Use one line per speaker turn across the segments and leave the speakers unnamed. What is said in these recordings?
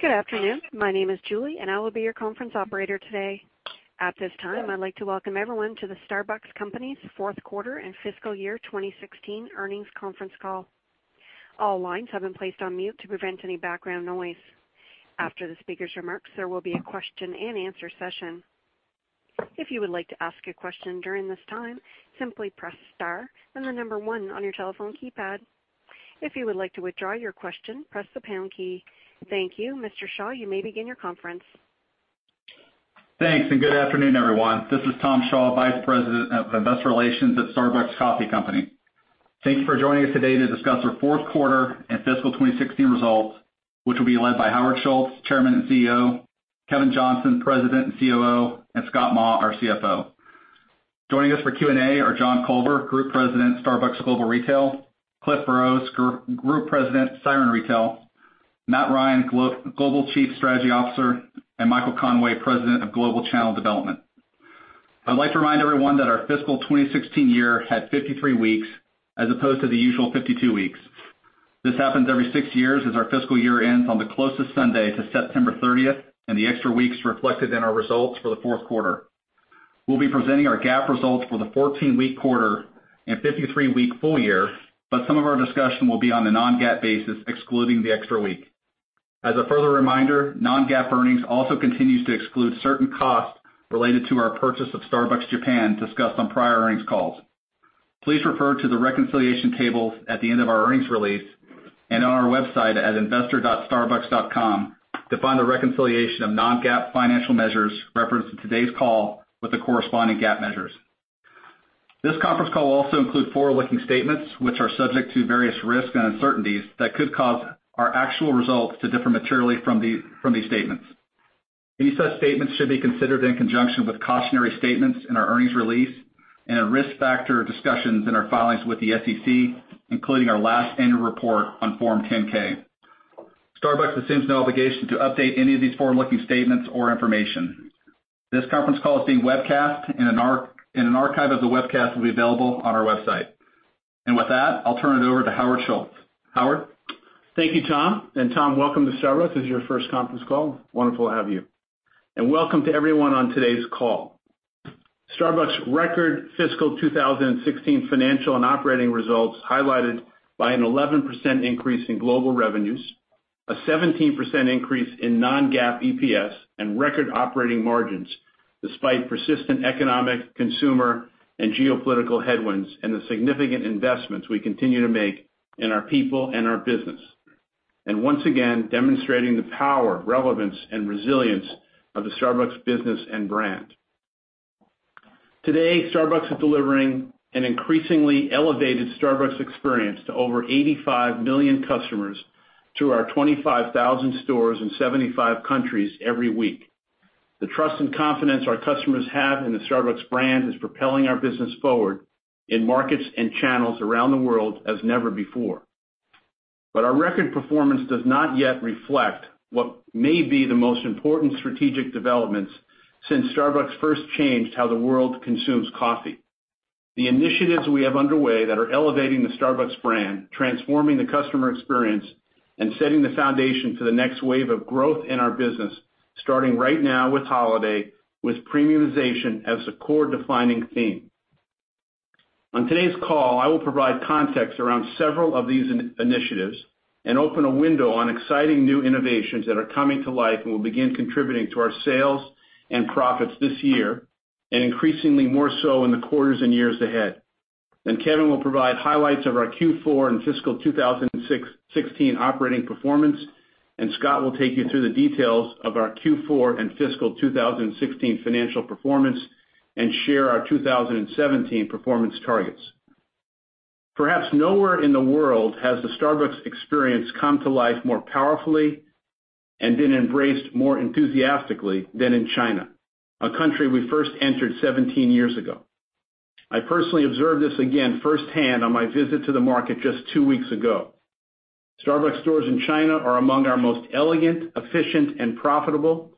Good afternoon. My name is Julie, and I will be your conference operator today. At this time, I'd like to welcome everyone to the Starbucks Company's fourth quarter and fiscal year 2016 earnings conference call. All lines have been placed on mute to prevent any background noise. After the speaker's remarks, there will be a question and answer session. If you would like to ask a question during this time, simply press star, then the number one on your telephone keypad. If you would like to withdraw your question, press the pound key. Thank you. Mr. Shaw, you may begin your conference.
Thanks. Good afternoon, everyone. This is Tom Shaw, Vice President of Investor Relations at Starbucks Coffee Company. Thank you for joining us today to discuss our fourth quarter and fiscal 2016 results, which will be led by Howard Schultz, Chairman and CEO, Kevin Johnson, President and COO, and Scott Maw, our CFO. Joining us for Q&A are John Culver, Group President, Starbucks Global Retail, Cliff Burrows, Group President, Siren Retail, Matt Ryan, Global Chief Strategy Officer, and Michael Conway, President of Global Channel Development. I'd like to remind everyone that our fiscal 2016 year had 53 weeks as opposed to the usual 52 weeks. This happens every six years, as our fiscal year ends on the closest Sunday to September 30th, and the extra week's reflected in our results for the fourth quarter. We'll be presenting our GAAP results for the 14-week quarter and 53-week full year, but some of our discussion will be on a non-GAAP basis, excluding the extra week. As a further reminder, non-GAAP earnings also continues to exclude certain costs related to our purchase of Starbucks Japan, discussed on prior earnings calls. Please refer to the reconciliation table at the end of our earnings release and on our website at investor.starbucks.com to find the reconciliation of non-GAAP financial measures referenced in today's call with the corresponding GAAP measures. This conference call will also include forward-looking statements which are subject to various risks and uncertainties that could cause our actual results to differ materially from these statements. These such statements should be considered in conjunction with cautionary statements in our earnings release and our risk factor discussions in our filings with the SEC, including our last annual report on Form 10-K. Starbucks assumes no obligation to update any of these forward-looking statements or information. This conference call is being webcast, and an archive of the webcast will be available on our website. With that, I'll turn it over to Howard Schultz. Howard?
Thank you, Tom. Tom, welcome to Starbucks. This is your first conference call. Wonderful to have you. Welcome to everyone on today's call. Starbucks' record fiscal 2016 financial and operating results, highlighted by an 11% increase in global revenues, a 17% increase in non-GAAP EPS, and record operating margins, despite persistent economic, consumer, and geopolitical headwinds, and the significant investments we continue to make in our people and our business. Once again, demonstrating the power, relevance, and resilience of the Starbucks business and brand. Today, Starbucks is delivering an increasingly elevated Starbucks experience to over 85 million customers through our 25,000 stores in 75 countries every week. The trust and confidence our customers have in the Starbucks brand is propelling our business forward in markets and channels around the world as never before. Our record performance does not yet reflect what may be the most important strategic developments since Starbucks first changed how the world consumes coffee. The initiatives we have underway that are elevating the Starbucks brand, transforming the customer experience, and setting the foundation for the next wave of growth in our business, starting right now with holiday, with premiumization as the core defining theme. On today's call, I will provide context around several of these initiatives and open a window on exciting new innovations that are coming to life and will begin contributing to our sales and profits this year, and increasingly more so in the quarters and years ahead. Kevin will provide highlights of our Q4 and fiscal 2016 operating performance, and Scott will take you through the details of our Q4 and fiscal 2016 financial performance and share our 2017 performance targets. Perhaps nowhere in the world has the Starbucks experience come to life more powerfully and been embraced more enthusiastically than in China, a country we first entered 17 years ago. I personally observed this again firsthand on my visit to the market just two weeks ago. Starbucks stores in China are among our most elegant, efficient, and profitable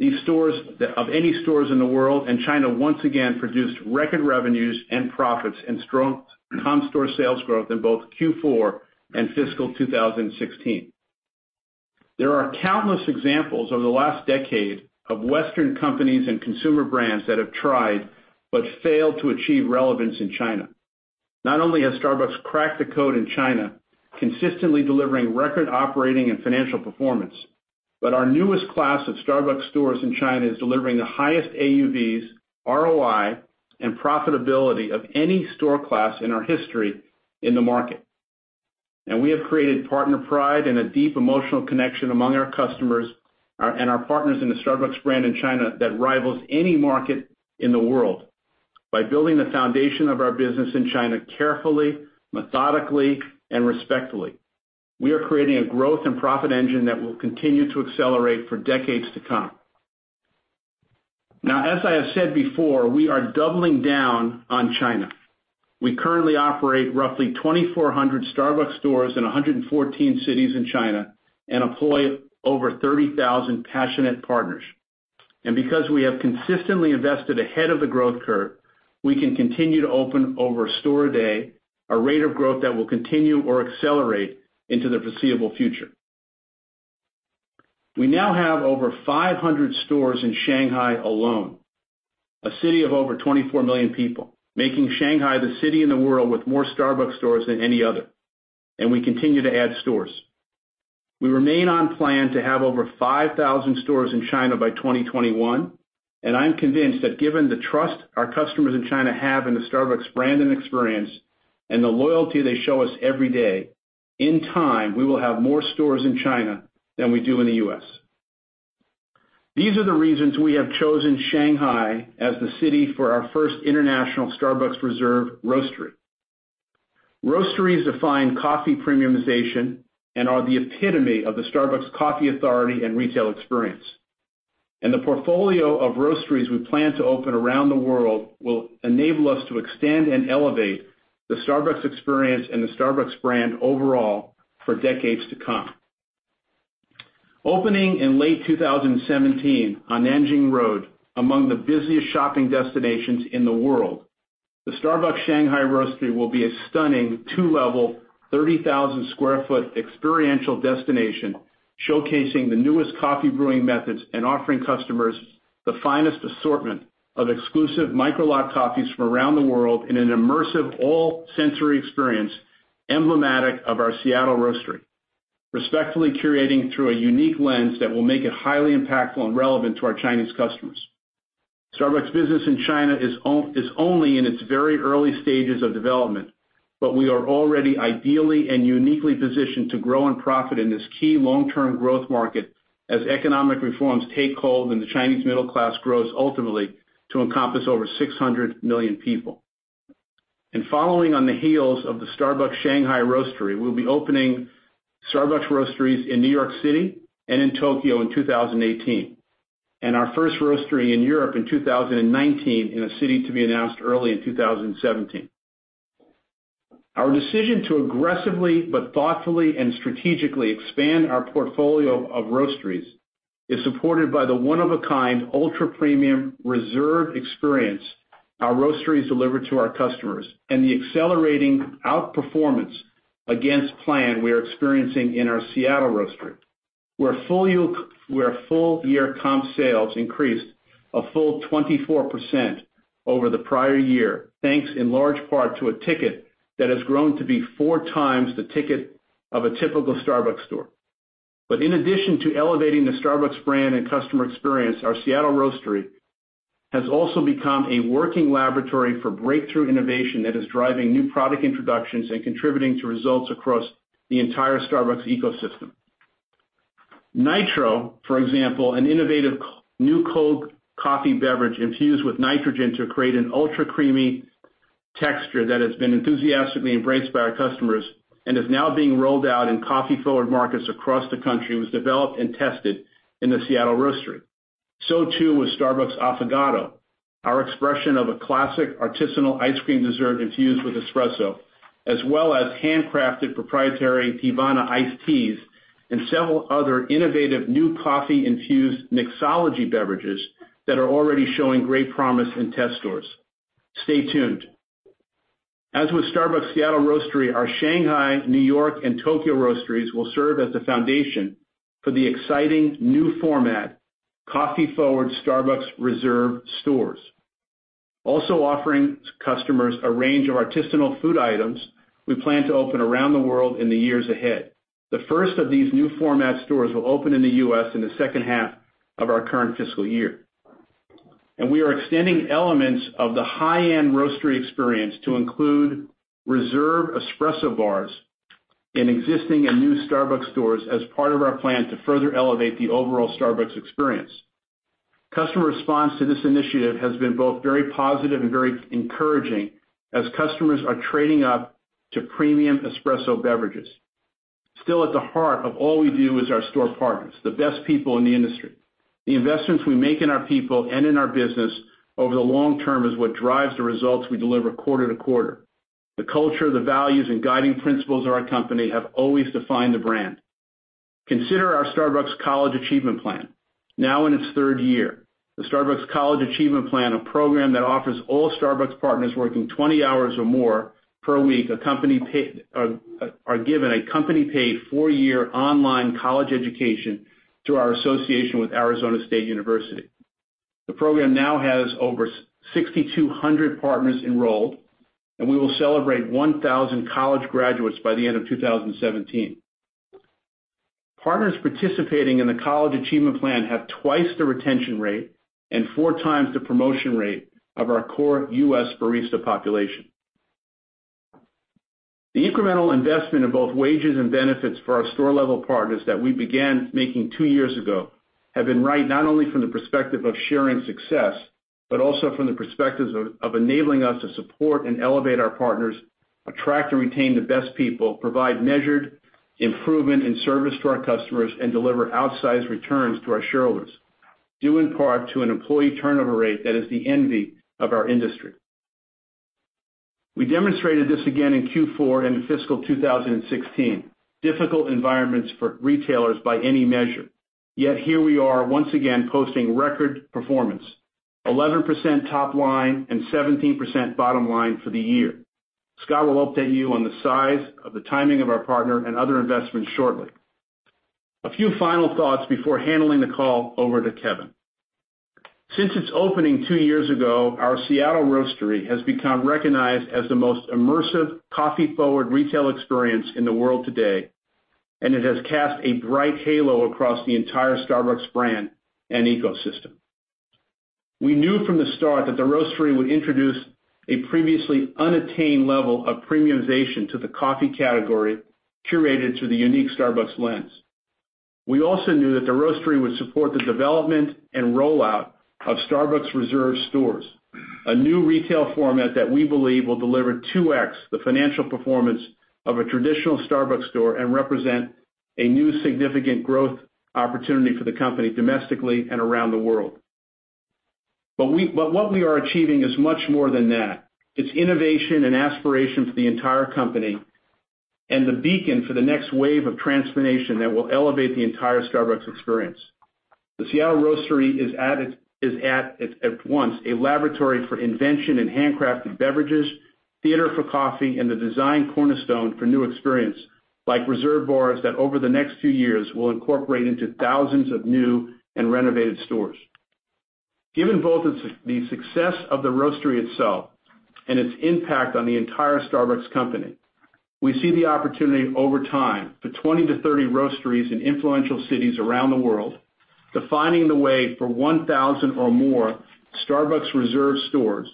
of any stores in the world, and China once again produced record revenues and profits and strong comp store sales growth in both Q4 and fiscal 2016. There are countless examples over the last decade of Western companies and consumer brands that have tried but failed to achieve relevance in China. Not only has Starbucks cracked the code in China, consistently delivering record operating and financial performance, but our newest class of Starbucks stores in China is delivering the highest AUVs, ROI, and profitability of any store class in our history in the market. We have created partner pride and a deep emotional connection among our customers and our partners in the Starbucks brand in China that rivals any market in the world. By building the foundation of our business in China carefully, methodically, and respectfully, we are creating a growth and profit engine that will continue to accelerate for decades to come. As I have said before, we are doubling down on China. We currently operate roughly 2,400 Starbucks stores in 114 cities in China and employ over 30,000 passionate partners. Because we have consistently invested ahead of the growth curve, we can continue to open over a store a day, a rate of growth that will continue or accelerate into the foreseeable future. We now have over 500 stores in Shanghai alone, a city of over 24 million people, making Shanghai the city in the world with more Starbucks stores than any other, and we continue to add stores. We remain on plan to have over 5,000 stores in China by 2021, and I'm convinced that given the trust our customers in China have in the Starbucks brand and experience, and the loyalty they show us every day, in time, we will have more stores in China than we do in the U.S. These are the reasons we have chosen Shanghai as the city for our first international Starbucks Reserve Roastery. Roasteries define coffee premiumization and are the epitome of the Starbucks coffee authority and retail experience. The portfolio of roasteries we plan to open around the world will enable us to extend and elevate the Starbucks experience and the Starbucks brand overall for decades to come. Opening in late 2017 on Nanjing Road, among the busiest shopping destinations in the world, the Starbucks Shanghai Roastery will be a stunning two-level, 30,000 sq ft experiential destination, showcasing the newest coffee brewing methods and offering customers the finest assortment of exclusive micro-lot coffees from around the world in an immersive all-sensory experience emblematic of our Seattle Roastery, respectfully curating through a unique lens that will make it highly impactful and relevant to our Chinese customers. Starbucks business in China is only in its very early stages of development, but we are already ideally and uniquely positioned to grow and profit in this key long-term growth market as economic reforms take hold and the Chinese middle class grows ultimately to encompass over 600 million people. Following on the heels of the Starbucks Shanghai Roastery, we'll be opening Starbucks roasteries in New York City and in Tokyo in 2018. Our first roastery in Europe in 2019, in a city to be announced early in 2017. Our decision to aggressively but thoughtfully and strategically expand our portfolio of roasteries is supported by the one-of-a-kind, ultra-premium Reserve experience our roasteries deliver to our customers, and the accelerating outperformance against plan we're experiencing in our Seattle Roastery, where full-year comp sales increased a full 24% over the prior year, thanks in large part to a ticket that has grown to be four times the ticket of a typical Starbucks store. In addition to elevating the Starbucks brand and customer experience, our Seattle Roastery has also become a working laboratory for breakthrough innovation that is driving new product introductions and contributing to results across the entire Starbucks ecosystem. Nitro, for example, an innovative new cold coffee beverage infused with nitrogen to create an ultra-creamy texture that has been enthusiastically embraced by our customers and is now being rolled out in coffee-forward markets across the country, was developed and tested in the Seattle Roastery. So too was Starbucks Affogato, our expression of a classic artisanal ice cream dessert infused with espresso, as well as handcrafted proprietary Teavana iced teas and several other innovative new coffee-infused mixology beverages that are already showing great promise in test stores. Stay tuned. As with Starbucks Seattle Roastery, our Shanghai, New York, and Tokyo Roasteries will serve as the foundation for the exciting new format, coffee-forward Starbucks Reserve stores, also offering customers a range of artisanal food items, we plan to open around the world in the years ahead. The first of these new format stores will open in the U.S. in the second half of our current fiscal year. We are extending elements of the high-end Roastery experience to include Reserve espresso bars in existing and new Starbucks stores as part of our plan to further elevate the overall Starbucks experience. Customer response to this initiative has been both very positive and very encouraging as customers are trading up to premium espresso beverages. Still at the heart of all we do is our store partners, the best people in the industry. The investments we make in our people and in our business over the long term is what drives the results we deliver quarter to quarter. The culture, the values, and guiding principles of our company have always defined the brand. Consider our Starbucks College Achievement Plan. Now in its third year, the Starbucks College Achievement Plan, a program that offers all Starbucks partners working 20 hours or more per week, are given a company-paid four-year online college education through our association with Arizona State University. The program now has over 6,200 partners enrolled, and we will celebrate 1,000 college graduates by the end of 2017. Partners participating in the College Achievement Plan have twice the retention rate and 4 times the promotion rate of our core U.S. barista population. The incremental investment in both wages and benefits for our store-level partners that we began making two years ago have been right not only from the perspective of sharing success, but also from the perspectives of enabling us to support and elevate our partners, attract and retain the best people, provide measured improvement in service to our customers, and deliver outsized returns to our shareholders, due in part to an employee turnover rate that is the envy of our industry. We demonstrated this again in Q4 and in fiscal 2016, difficult environments for retailers by any measure. Here we are once again posting record performance, 11% top line and 17% bottom line for the year. Scott will update you on the size of the timing of our partner and other investments shortly. A few final thoughts before handling the call over to Kevin. Since its opening two years ago, our Seattle Roastery has become recognized as the most immersive coffee-forward retail experience in the world today, and it has cast a bright halo across the entire Starbucks brand and ecosystem. We knew from the start that the Roastery would introduce a previously unattained level of premiumization to the coffee category, curated through the unique Starbucks lens. We also knew that the Roastery would support the development and rollout of Starbucks Reserve stores, a new retail format that we believe will deliver 2X the financial performance of a traditional Starbucks store and represent a new significant growth opportunity for the company domestically and around the world. What we are achieving is much more than that. It's innovation and aspiration for the entire company and the beacon for the next wave of transformation that will elevate the entire Starbucks Experience. The Seattle Roastery is at once a laboratory for invention and handcrafted beverages, theater for coffee, and the design cornerstone for new experience, like Reserve bars that over the next few years will incorporate into thousands of new and renovated stores. Given both the success of the Roastery itself and its impact on the entire Starbucks company, we see the opportunity over time for 20 to 30 Roasteries in influential cities around the world, defining the way for 1,000 or more Starbucks Reserve stores,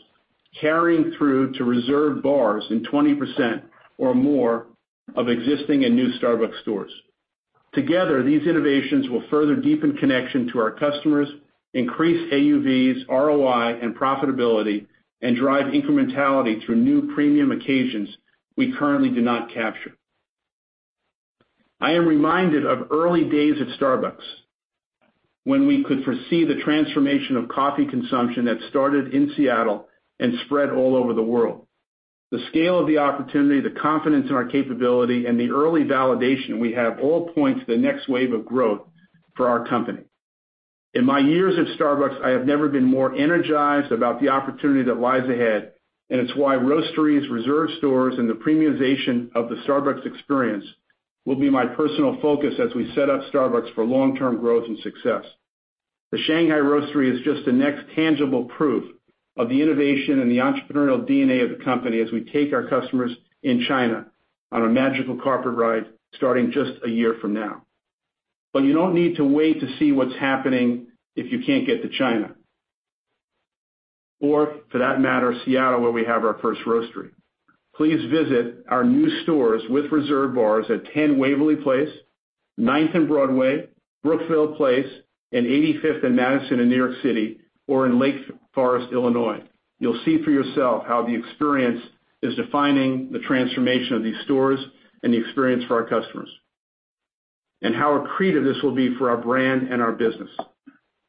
carrying through to Reserve bars in 20% or more of existing and new Starbucks stores. Together, these innovations will further deepen connection to our customers, increase AUVs, ROI, and profitability, and drive incrementality through new premium occasions we currently do not capture. I am reminded of early days at Starbucks when we could foresee the transformation of coffee consumption that started in Seattle and spread all over the world. The scale of the opportunity, the confidence in our capability, and the early validation we have all point to the next wave of growth for our company. In my years at Starbucks, I have never been more energized about the opportunity that lies ahead, and it's why Roasteries, Reserve stores, and the premiumization of the Starbucks Experience will be my personal focus as we set up Starbucks for long-term growth and success. The Shanghai Roastery is just the next tangible proof of the innovation and the entrepreneurial DNA of the company as we take our customers in China on a magical carpet ride starting just a year from now. You don't need to wait to see what's happening if you can't get to China or, for that matter, Seattle, where we have our first Roastery. Please visit our new stores with Reserve bars at 10 Waverly Place, Ninth and Broadway, Brookfield Place, and 85th and Madison in New York City or in Lake Forest, Illinois. You'll see for yourself how the experience is defining the transformation of these stores and the experience for our customers, and how accretive this will be for our brand and our business.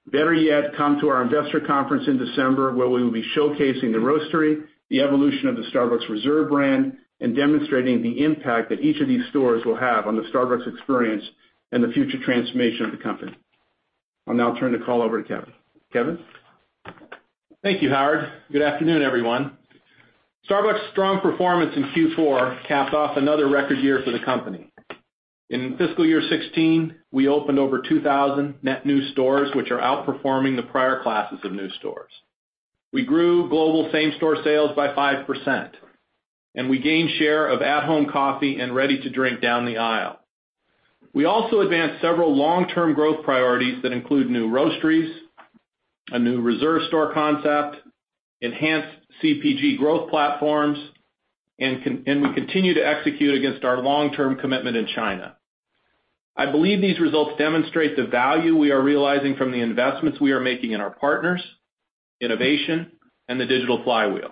Better yet, come to our investor conference in December, where we will be showcasing the Roastery, the evolution of the Starbucks Reserve brand, and demonstrating the impact that each of these stores will have on the Starbucks Experience and the future transformation of the company. I'll now turn the call over to Kevin. Kevin?
Thank you, Howard. Good afternoon, everyone. Starbucks' strong performance in Q4 capped off another record year for the company. In fiscal year 2016, we opened over 2,000 net new stores, which are outperforming the prior classes of new stores. We grew global same-store sales by 5%, and we gained share of at-home coffee and ready-to-drink down the aisle. We also advanced several long-term growth priorities that include new Roasteries, a new Reserve store concept, enhanced CPG growth platforms, and we continue to execute against our long-term commitment in China. I believe these results demonstrate the value we are realizing from the investments we are making in our partners, innovation, and the digital flywheel.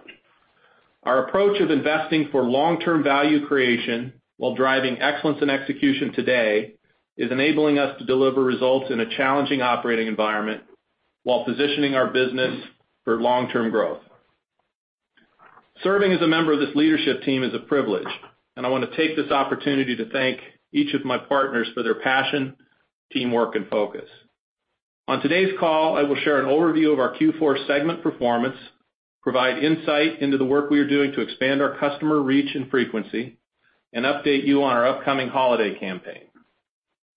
Our approach of investing for long-term value creation while driving excellence in execution today is enabling us to deliver results in a challenging operating environment while positioning our business for long-term growth. Serving as a member of this leadership team is a privilege, and I want to take this opportunity to thank each of my partners for their passion, teamwork, and focus. On today's call, I will share an overview of our Q4 segment performance, provide insight into the work we are doing to expand our customer reach and frequency, and update you on our upcoming holiday campaign.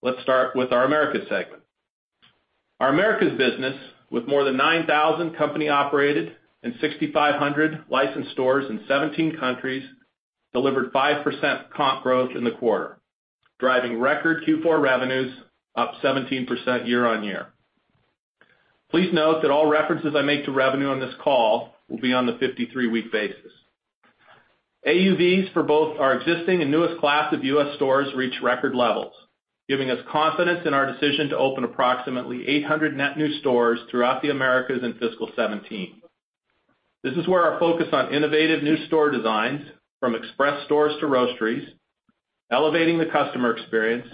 Let's start with our Americas segment. Our Americas business, with more than 9,000 company-operated and 6,500 licensed stores in 17 countries, delivered 5% comp growth in the quarter, driving record Q4 revenues up 17% year-on-year. Please note that all references I make to revenue on this call will be on the 53-week basis. AUVs for both our existing and newest class of U.S. stores reached record levels, giving us confidence in our decision to open approximately 800 net new stores throughout the Americas in fiscal 2017. This is where our focus on innovative new store designs, from express stores to Roasteries, elevating the customer experience,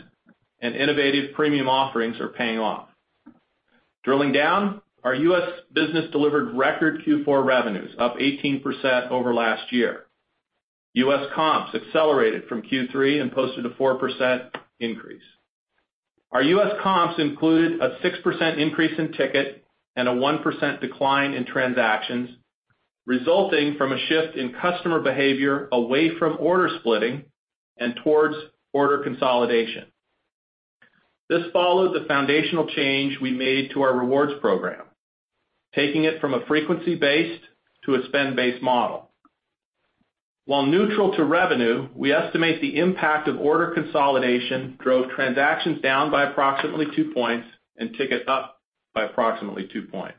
and innovative premium offerings are paying off. Drilling down, our U.S. business delivered record Q4 revenues up 18% over last year. U.S. comps accelerated from Q3 and posted a 4% increase. Our U.S. comps included a 6% increase in ticket and a 1% decline in transactions, resulting from a shift in customer behavior away from order splitting and towards order consolidation. This followed the foundational change we made to our rewards program, taking it from a frequency-based to a spend-based model. While neutral to revenue, we estimate the impact of order consolidation drove transactions down by approximately 2 points and ticket up by approximately 2 points.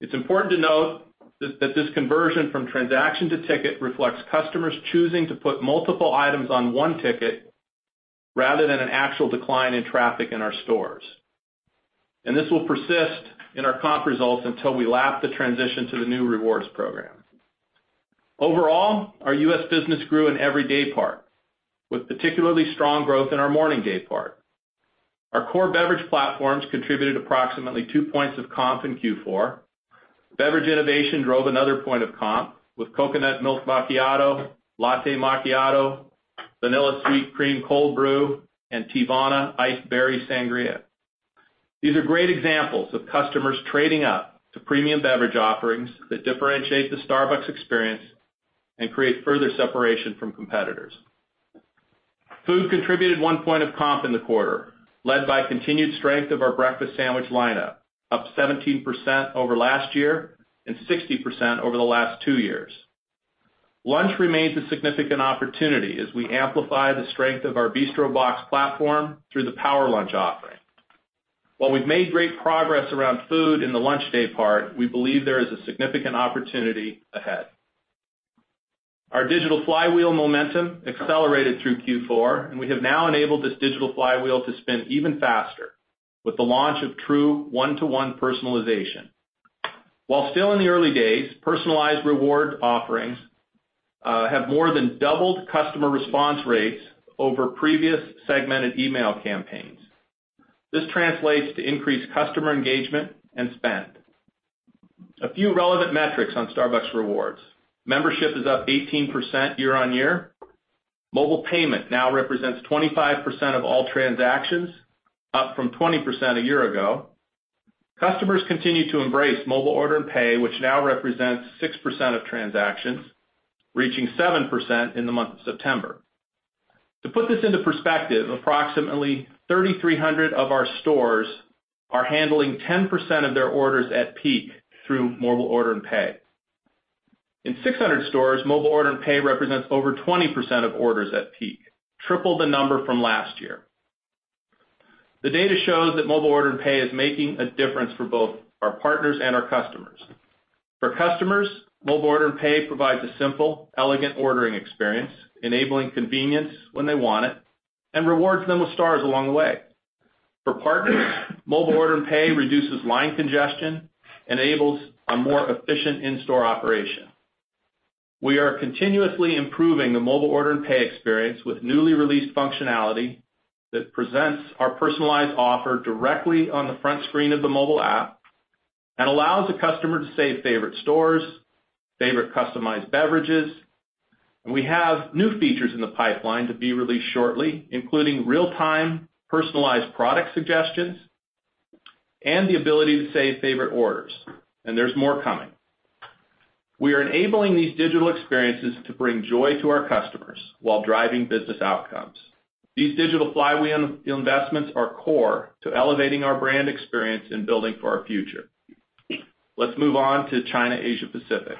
It's important to note that this conversion from transaction to ticket reflects customers choosing to put multiple items on one ticket rather than an actual decline in traffic in our stores. This will persist in our comp results until we lap the transition to the new rewards program. Overall, our U.S. business grew in every daypart, with particularly strong growth in our morning daypart. Our core beverage platforms contributed approximately 2 points of comp in Q4. Beverage innovation drove another 1 point of comp, with Coconut Milk Macchiato, Latte Macchiato, Vanilla Sweet Cream Cold Brew, and Teavana Iced Berry Sangria. These are great examples of customers trading up to premium beverage offerings that differentiate the Starbucks experience and create further separation from competitors. Food contributed one point of comp in the quarter, led by continued strength of our breakfast sandwich lineup, up 17% over last year and 60% over the last two years. Lunch remains a significant opportunity as we amplify the strength of our bistro box platform through the Power Lunch offering. While we've made great progress around food in the lunch daypart, we believe there is a significant opportunity ahead. Our digital flywheel momentum accelerated through Q4, and we have now enabled this digital flywheel to spin even faster with the launch of true one-to-one personalization. While still in the early days, personalized reward offerings have more than doubled customer response rates over previous segmented email campaigns. This translates to increased customer engagement and spend. A few relevant metrics on Starbucks Rewards. Membership is up 18% year-over-year. Mobile payment now represents 25% of all transactions, up from 20% a year ago. Customers continue to embrace Mobile Order and Pay, which now represents 6% of transactions, reaching 7% in the month of September. To put this into perspective, approximately 3,300 of our stores are handling 10% of their orders at peak through Mobile Order and Pay. In 600 stores, Mobile Order and Pay represents over 20% of orders at peak, triple the number from last year. The data shows that Mobile Order and Pay is making a difference for both our partners and our customers. For customers, Mobile Order and Pay provides a simple, elegant ordering experience, enabling convenience when they want it, and rewards them with stars along the way. For partners, Mobile Order and Pay reduces line congestion, enables a more efficient in-store operation. We are continuously improving the Mobile Order and Pay experience with newly released functionality that presents our personalized offer directly on the front screen of the mobile app and allows the customer to save favorite stores, favorite customized beverages. We have new features in the pipeline to be released shortly, including real-time personalized product suggestions and the ability to save favorite orders. There's more coming. We are enabling these digital experiences to bring joy to our customers while driving business outcomes. These digital flywheel investments are core to elevating our brand experience and building for our future. Let's move on to China/Asia Pacific.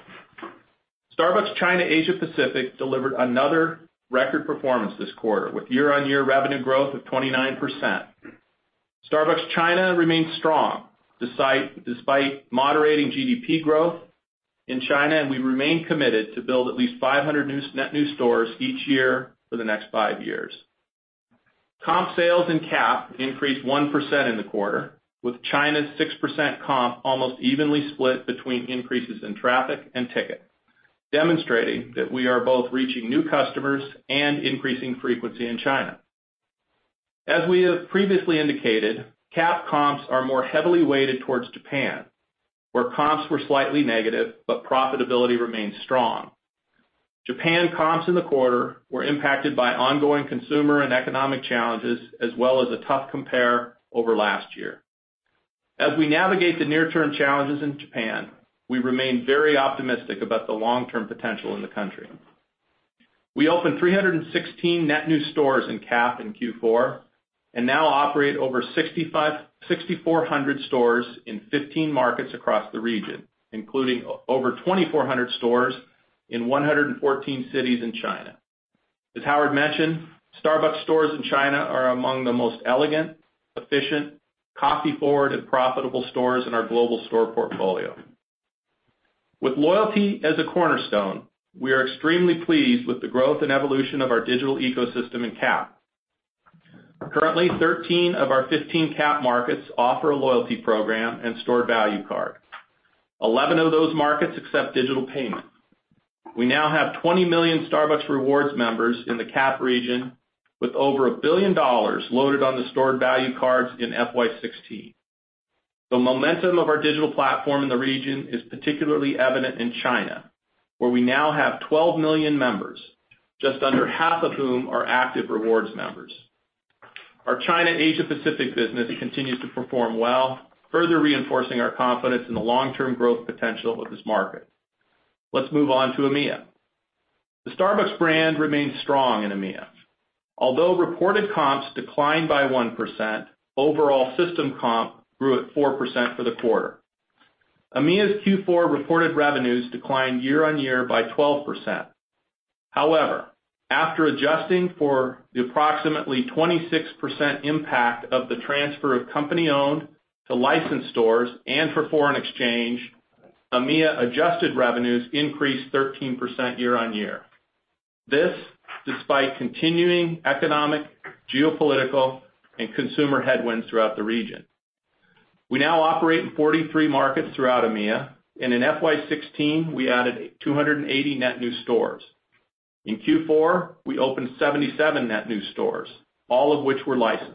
Starbucks China/Asia Pacific delivered another record performance this quarter with year-over-year revenue growth of 29%. Starbucks China remains strong despite moderating GDP growth in China. We remain committed to build at least 500 net new stores each year for the next five years. Comp sales in CAP increased 1% in the quarter, with China's 6% comp almost evenly split between increases in traffic and ticket, demonstrating that we are both reaching new customers and increasing frequency in China. As we have previously indicated, CAP comps are more heavily weighted towards Japan, where comps were slightly negative, but profitability remains strong. Japan comps in the quarter were impacted by ongoing consumer and economic challenges, as well as a tough compare over last year. As we navigate the near-term challenges in Japan, we remain very optimistic about the long-term potential in the country. We opened 316 net new stores in CAP in Q4 and now operate over 6,400 stores in 15 markets across the region, including over 2,400 stores in 114 cities in China. As Howard mentioned, Starbucks stores in China are among the most elegant, efficient, coffee-forward, and profitable stores in our global store portfolio. With loyalty as a cornerstone, we are extremely pleased with the growth and evolution of our digital ecosystem in CAP. Currently, 13 of our 15 CAP markets offer a loyalty program and stored value card. 11 of those markets accept digital payment. We now have 20 million Starbucks Rewards members in the CAP region, with over $1 billion loaded on the stored value cards in FY 2016. The momentum of our digital platform in the region is particularly evident in China, where we now have 12 million members, just under half of whom are active rewards members. Our China/Asia Pacific business continues to perform well, further reinforcing our confidence in the long-term growth potential of this market. Let's move on to EMEA. The Starbucks brand remains strong in EMEA. Although reported comps declined by 1%, overall system comp grew at 4% for the quarter. EMEA's Q4 reported revenues declined year-on-year by 12%. However, after adjusting for the approximately 26% impact of the transfer of company-owned to licensed stores and for foreign exchange, EMEA adjusted revenues increased 13% year-on-year. This, despite continuing economic, geopolitical, and consumer headwinds throughout the region. We now operate in 43 markets throughout EMEA, and in FY 2016, we added 280 net new stores. In Q4, we opened 77 net new stores, all of which were licensed.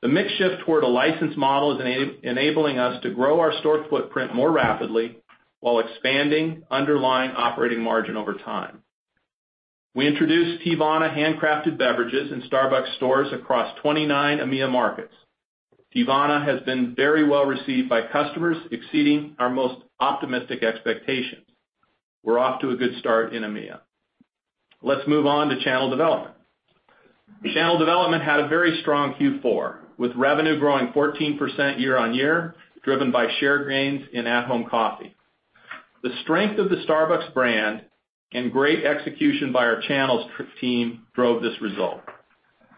The mix shift toward a licensed model is enabling us to grow our store footprint more rapidly while expanding underlying operating margin over time. We introduced Teavana handcrafted beverages in Starbucks stores across 29 EMEA markets. Teavana has been very well-received by customers, exceeding our most optimistic expectations. We're off to a good start in EMEA. Let's move on to channel development. Channel development had a very strong Q4, with revenue growing 14% year-on-year, driven by share gains in at-home coffee. The strength of the Starbucks brand and great execution by our channels team drove this result.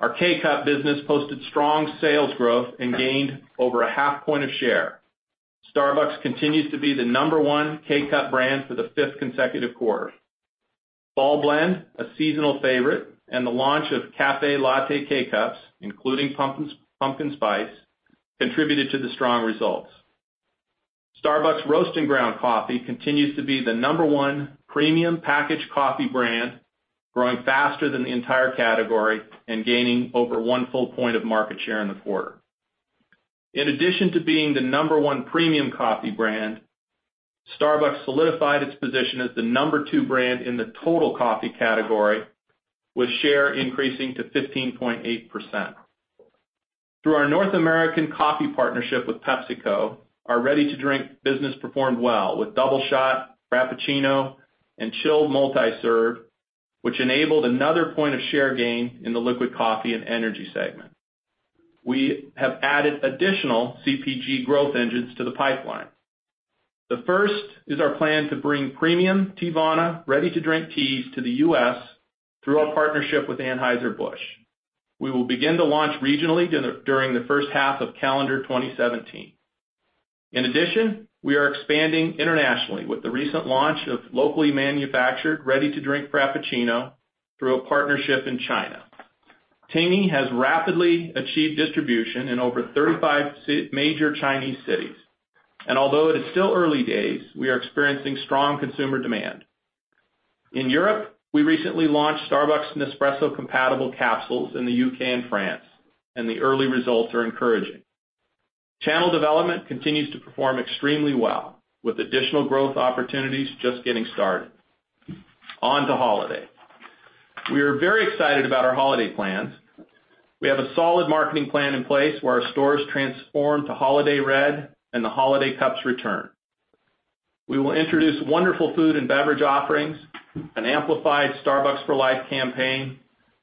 Our K-Cup business posted strong sales growth and gained over a half point of share. Starbucks continues to be the number one K-Cup brand for the fifth consecutive quarter. Fall Blend, a seasonal favorite, and the launch of café latte K-Cups, including pumpkin spice, contributed to the strong results. Starbucks Roast and Ground Coffee continues to be the number one premium packaged coffee brand, growing faster than the entire category and gaining over one full point of market share in the quarter. In addition to being the number one premium coffee brand, Starbucks solidified its position as the number two brand in the total coffee category, with share increasing to 15.8%. Through our North American coffee partnership with PepsiCo, our ready-to-drink business performed well with Doubleshot, Frappuccino, and chilled multi-serve, which enabled another point of share gain in the liquid coffee and energy segment. We have added additional CPG growth engines to the pipeline. The first is our plan to bring premium Teavana ready-to-drink teas to the U.S. through our partnership with Anheuser-Busch. We will begin to launch regionally during the first half of calendar 2017. In addition, we are expanding internationally with the recent launch of locally manufactured ready-to-drink Frappuccino through a partnership in China. Teavana has rapidly achieved distribution in over 35 major Chinese cities, and although it is still early days, we are experiencing strong consumer demand. In Europe, we recently launched Starbucks Nespresso compatible capsules in the U.K. and France, and the early results are encouraging. Channel development continues to perform extremely well, with additional growth opportunities just getting started. On to holiday. We are very excited about our holiday plans. We have a solid marketing plan in place where our stores transform to holiday red and the holiday cups return. We will introduce wonderful food and beverage offerings, an amplified Starbucks For Life campaign,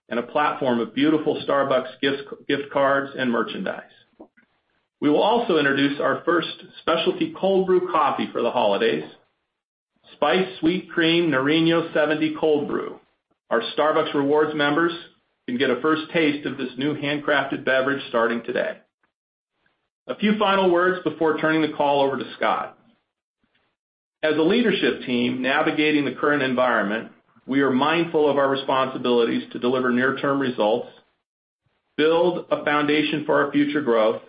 and a platform of beautiful Starbucks gift cards and merchandise. We will also introduce our first specialty cold brew coffee for the holidays, Spiced Sweet Cream Nariño 70 cold brew. Our Starbucks Rewards members can get a first taste of this new handcrafted beverage starting today. A few final words before turning the call over to Scott. As a leadership team navigating the current environment, we are mindful of our responsibilities to deliver near-term results, build a foundation for our future growth,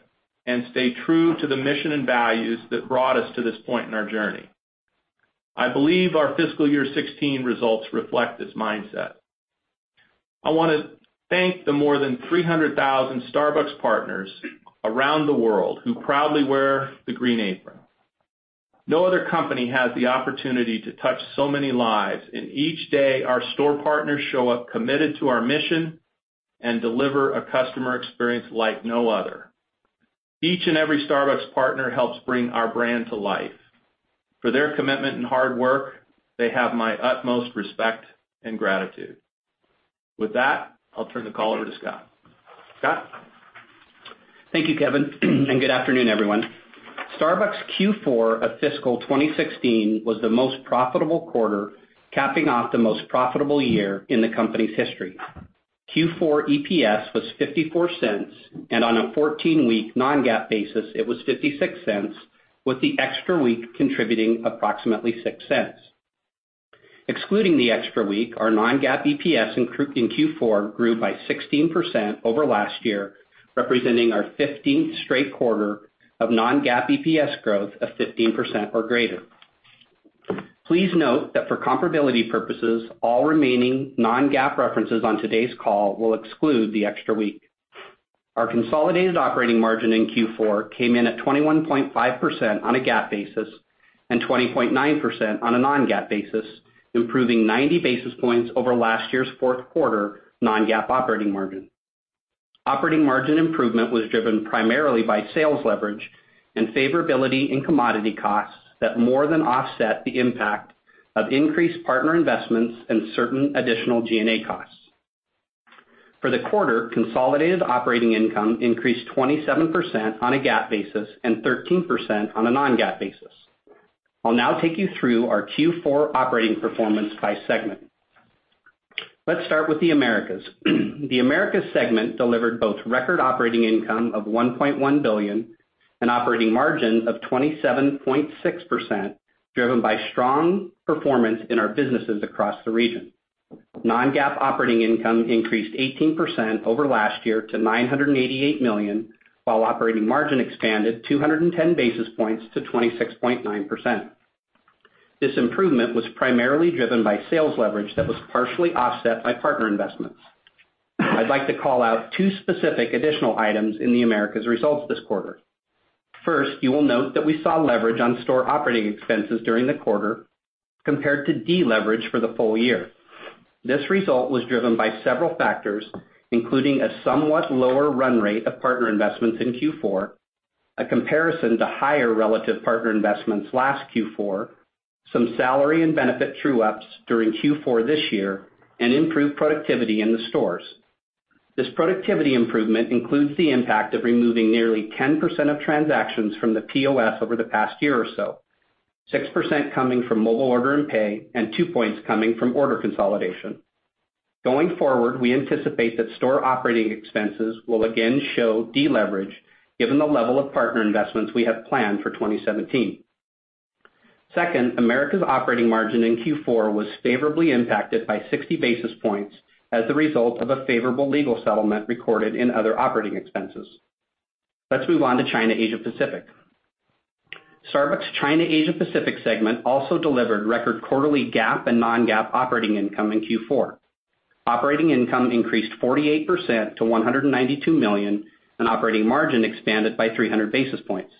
and stay true to the mission and values that brought us to this point in our journey. I believe our fiscal year 2016 results reflect this mindset. I want to thank the more than 300,000 Starbucks partners around the world who proudly wear the green apron. No other company has the opportunity to touch so many lives, and each day, our store partners show up committed to our mission and deliver a customer experience like no other. Each and every Starbucks partner helps bring our brand to life. For their commitment and hard work, they have my utmost respect and gratitude. With that, I'll turn the call over to Scott. Scott?
Thank you, Kevin, and good afternoon, everyone. Starbucks Q4 of fiscal 2016 was the most profitable quarter, capping off the most profitable year in the company's history. Q4 EPS was $0.54, and on a 14-week non-GAAP basis, it was $0.56, with the extra week contributing approximately $0.06. Excluding the extra week, our non-GAAP EPS in Q4 grew by 16% over last year, representing our 15th straight quarter of non-GAAP EPS growth of 15% or greater. Please note that for comparability purposes, all remaining non-GAAP references on today's call will exclude the extra week. Our consolidated operating margin in Q4 came in at 21.5% on a GAAP basis, and 20.9% on a non-GAAP basis, improving 90 basis points over last year's fourth quarter non-GAAP operating margin. Operating margin improvement was driven primarily by sales leverage and favorability in commodity costs that more than offset the impact of increased partner investments and certain additional G&A costs. For the quarter, consolidated operating income increased 27% on a GAAP basis and 13% on a non-GAAP basis. I'll now take you through our Q4 operating performance by segment. Let's start with the Americas. The Americas segment delivered both record operating income of $1.1 billion and operating margin of 27.6%, driven by strong performance in our businesses across the region. Non-GAAP operating income increased 18% over last year to $988 million, while operating margin expanded 210 basis points to 26.9%. This improvement was primarily driven by sales leverage that was partially offset by partner investments. I'd like to call out two specific additional items in the Americas results this quarter. First, you will note that we saw leverage on store operating expenses during the quarter compared to deleverage for the full year. This result was driven by several factors, including a somewhat lower run rate of partner investments in Q4, a comparison to higher relative partner investments last Q4, some salary and benefit true-ups during Q4 this year, and improved productivity in the stores. This productivity improvement includes the impact of removing nearly 10% of transactions from the POS over the past year or so, 6% coming from Mobile Order and Pay, and 2 points coming from order consolidation. We anticipate that store operating expenses will again show deleverage given the level of partner investments we have planned for 2017. Second, Americas operating margin in Q4 was favorably impacted by 60 basis points as a result of a favorable legal settlement recorded in other operating expenses. Let's move on to China/Asia Pacific. Starbucks China/Asia Pacific segment also delivered record quarterly GAAP and non-GAAP operating income in Q4. Operating income increased 48% to $192 million, and operating margin expanded by 300 basis points.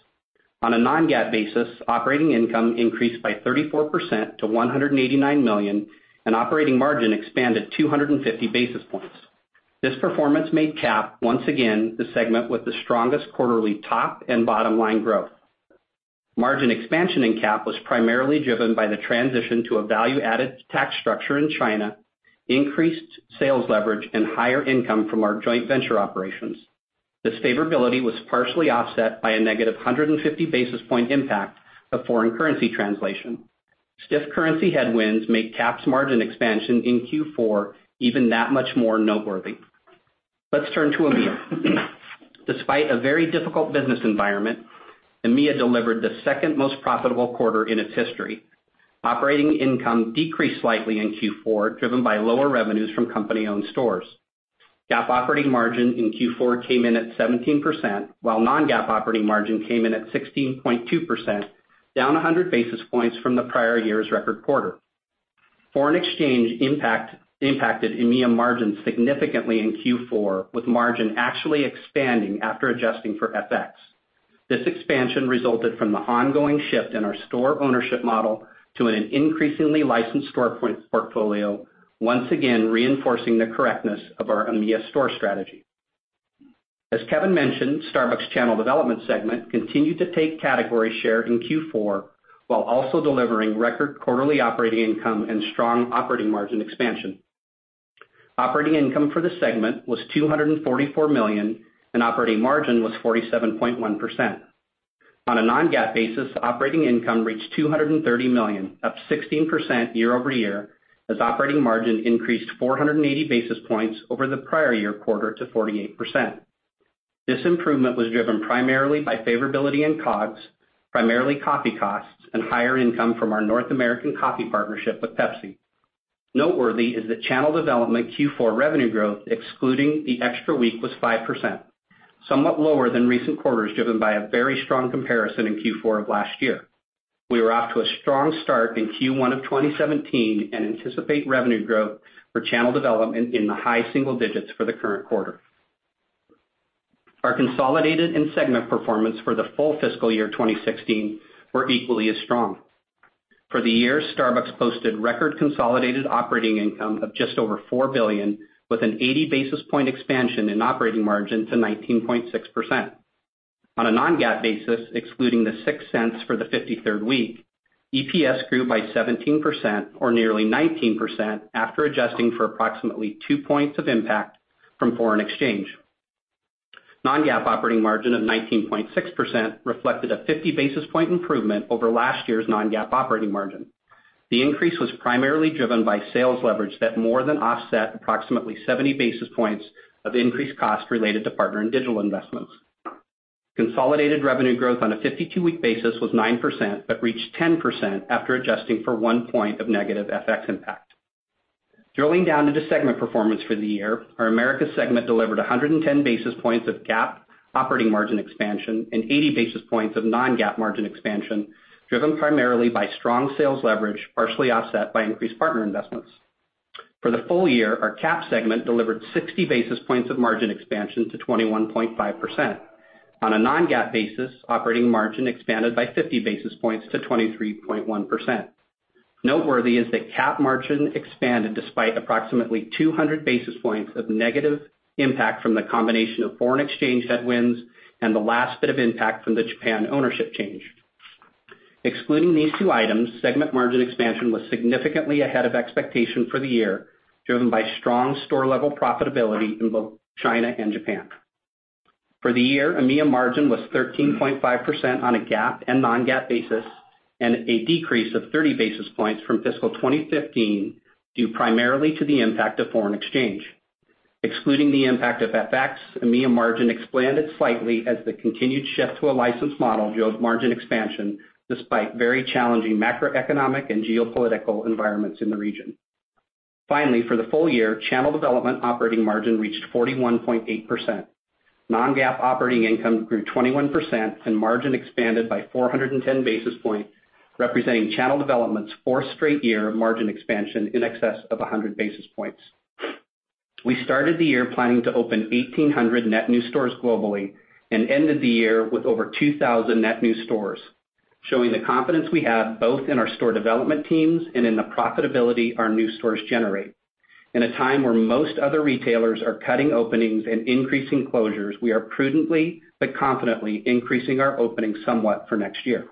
On a non-GAAP basis, operating income increased by 34% to $189 million, and operating margin expanded 250 basis points. This performance made CAP once again the segment with the strongest quarterly top and bottom-line growth. Margin expansion in CAP was primarily driven by the transition to a value-added tax structure in China, increased sales leverage, and higher income from our joint venture operations. This favorability was partially offset by a negative 150 basis point impact of foreign currency translation. Stiff currency headwinds make CAP's margin expansion in Q4 even that much more noteworthy. Let's turn to EMEA. Despite a very difficult business environment, EMEA delivered the second-most profitable quarter in its history. Operating income decreased slightly in Q4, driven by lower revenues from company-owned stores. GAAP operating margin in Q4 came in at 17%, while non-GAAP operating margin came in at 16.2%, down 100 basis points from the prior year's record quarter. Foreign exchange impacted EMEA margins significantly in Q4, with margin actually expanding after adjusting for FX. This expansion resulted from the ongoing shift in our store ownership model to an increasingly licensed store portfolio, once again reinforcing the correctness of our EMEA store strategy. As Kevin mentioned, Starbucks' Channel Development segment continued to take category share in Q4 while also delivering record quarterly operating income and strong operating margin expansion. Operating income for the segment was $244 million, and operating margin was 47.1%. On a non-GAAP basis, operating income reached $230 million, up 16% year-over-year, as operating margin increased 480 basis points over the prior year quarter to 48%. This improvement was driven primarily by favorability in COGS, primarily coffee costs, and higher income from our North American coffee partnership with Pepsi. Noteworthy is that Channel Development Q4 revenue growth, excluding the extra week, was 5%, somewhat lower than recent quarters, driven by a very strong comparison in Q4 of last year. We were off to a strong start in Q1 of 2017 and anticipate revenue growth for Channel Development in the high single digits for the current quarter. Our consolidated and segment performance for the full fiscal year 2016 were equally as strong. For the year, Starbucks posted record consolidated operating income of just over $4 billion with an 80-basis point expansion in operating margin to 19.6%. On a non-GAAP basis, excluding the $0.06 for the 53rd week, EPS grew by 17%, or nearly 19%, after adjusting for approximately two points of impact from foreign exchange. Non-GAAP operating margin of 19.6% reflected a 50-basis point improvement over last year's non-GAAP operating margin. The increase was primarily driven by sales leverage that more than offset approximately 70 basis points of increased cost related to partner and digital investments. Consolidated revenue growth on a 52-week basis was 9% but reached 10% after adjusting for one point of negative FX impact. Drilling down into segment performance for the year, our Americas segment delivered 110 basis points of GAAP operating margin expansion and 80 basis points of non-GAAP margin expansion, driven primarily by strong sales leverage, partially offset by increased partner investments. For the full year, our CAP segment delivered 60 basis points of margin expansion to 21.5%. On a non-GAAP basis, operating margin expanded by 50 basis points to 23.1%. Noteworthy is that CAP margin expanded despite approximately 200 basis points of negative impact from the combination of foreign exchange headwinds and the last bit of impact from the Japan ownership change. Excluding these two items, segment margin expansion was significantly ahead of expectation for the year, driven by strong store-level profitability in both China and Japan. For the year, EMEA margin was 13.5% on a GAAP and non-GAAP basis, and a decrease of 30 basis points from fiscal 2015, due primarily to the impact of foreign exchange. Excluding the impact of FX, EMEA margin expanded slightly as the continued shift to a licensed model drove margin expansion, despite very challenging macroeconomic and geopolitical environments in the region. Finally, for the full year, channel development operating margin reached 41.8%. Non-GAAP operating income grew 21%, and margin expanded by 410 basis points, representing channel development's fourth straight year of margin expansion in excess of 100 basis points. We started the year planning to open 1,800 net new stores globally and ended the year with over 2,000 net new stores, showing the confidence we have both in our store development teams and in the profitability our new stores generate. In a time where most other retailers are cutting openings and increasing closures, we are prudently but confidently increasing our openings somewhat for next year.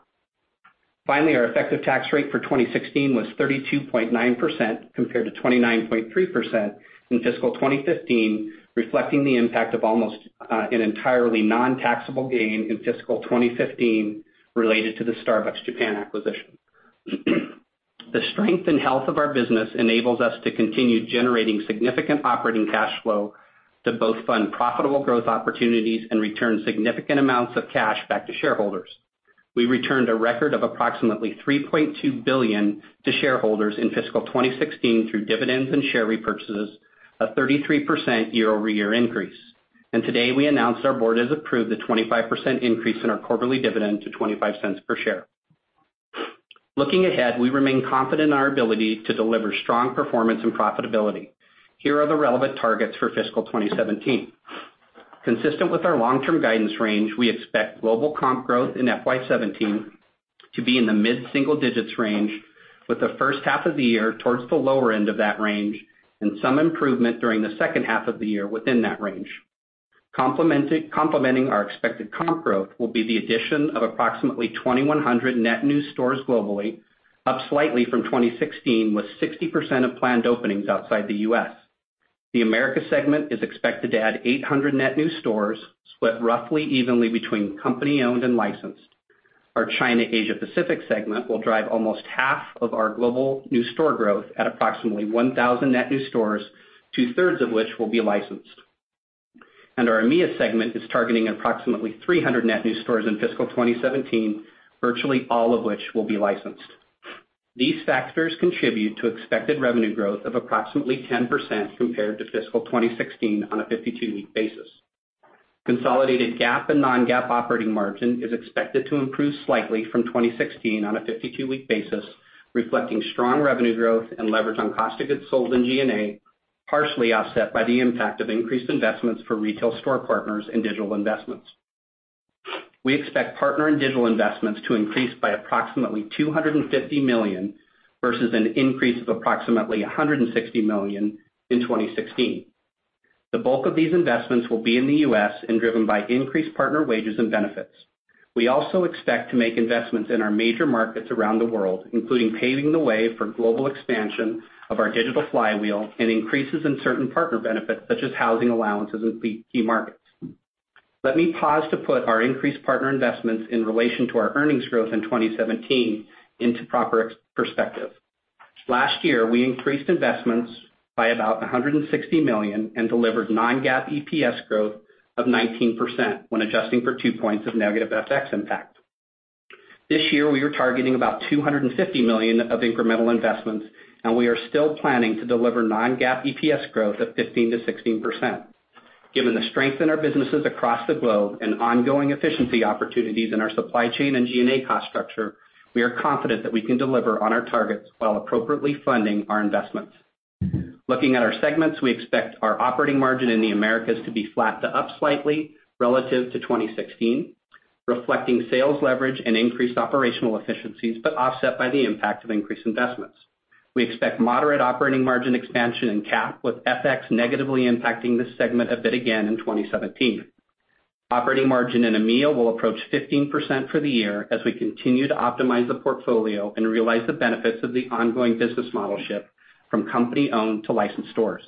Finally, our effective tax rate for 2016 was 32.9%, compared to 29.3% in fiscal 2015, reflecting the impact of almost an entirely non-taxable gain in fiscal 2015 related to the Starbucks Japan acquisition. The strength and health of our business enables us to continue generating significant operating cash flow to both fund profitable growth opportunities and return significant amounts of cash back to shareholders. We returned a record of approximately $3.2 billion to shareholders in fiscal 2016 through dividends and share repurchases, a 33% year-over-year increase. Today we announced our board has approved a 25% increase in our quarterly dividend to $0.25 per share. Looking ahead, we remain confident in our ability to deliver strong performance and profitability. Here are the relevant targets for fiscal 2017. Consistent with our long-term guidance range, we expect global comp growth in FY 2017 to be in the mid-single digits range, with the first half of the year towards the lower end of that range and some improvement during the second half of the year within that range. Complementing our expected comp growth will be the addition of approximately 2,100 net new stores globally, up slightly from 2016, with 60% of planned openings outside the U.S. The Americas segment is expected to add 800 net new stores, split roughly evenly between company-owned and licensed. Our China/Asia Pacific segment will drive almost half of our global new store growth at approximately 1,000 net new stores, two-thirds of which will be licensed. Our EMEA segment is targeting approximately 300 net new stores in fiscal 2017, virtually all of which will be licensed. These factors contribute to expected revenue growth of approximately 10% compared to fiscal 2016 on a 52-week basis. Consolidated GAAP and non-GAAP operating margin is expected to improve slightly from 2016 on a 52-week basis, reflecting strong revenue growth and leverage on cost of goods sold and G&A, partially offset by the impact of increased investments for retail store partners and digital investments. We expect partner and digital investments to increase by approximately $250 million, versus an increase of approximately $160 million in 2016. The bulk of these investments will be in the U.S. and driven by increased partner wages and benefits. We also expect to make investments in our major markets around the world, including paving the way for global expansion of our digital flywheel and increases in certain partner benefits, such as housing allowances in key markets. Let me pause to put our increased partner investments in relation to our earnings growth in 2017 into proper perspective. Last year, we increased investments by about $160 million and delivered non-GAAP EPS growth of 19% when adjusting for two points of negative FX impact. This year, we are targeting about $250 million of incremental investments, and we are still planning to deliver non-GAAP EPS growth of 15%-16%. Given the strength in our businesses across the globe and ongoing efficiency opportunities in our supply chain and G&A cost structure, we are confident that we can deliver on our targets while appropriately funding our investments. Looking at our segments, we expect our operating margin in the Americas to be flat to up slightly relative to 2016, reflecting sales leverage and increased operational efficiencies, but offset by the impact of increased investments. We expect moderate operating margin expansion in China/Asia Pacific, with FX negatively impacting this segment a bit again in 2017. Operating margin in EMEA will approach 15% for the year as we continue to optimize the portfolio and realize the benefits of the ongoing business model shift from company-owned to licensed stores.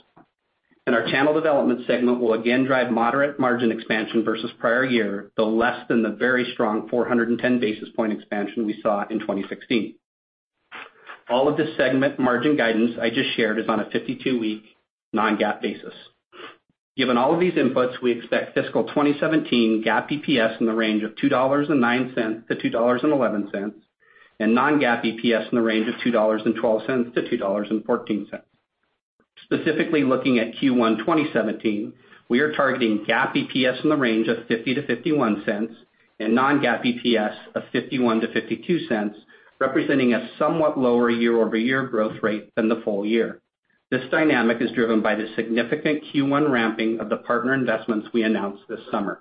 Our Channel Development segment will again drive moderate margin expansion versus prior year, though less than the very strong 410 basis point expansion we saw in 2016. All of this segment margin guidance I just shared is on a 52-week non-GAAP basis. Given all of these inputs, we expect fiscal 2017 GAAP EPS in the range of $2.09-$2.11, and non-GAAP EPS in the range of $2.12-$2.14. Specifically, looking at Q1 2017, we are targeting GAAP EPS in the range of $0.50-$0.51 and non-GAAP EPS of $0.51-$0.52, representing a somewhat lower year-over-year growth rate than the full year. This dynamic is driven by the significant Q1 ramping of the partner investments we announced this summer.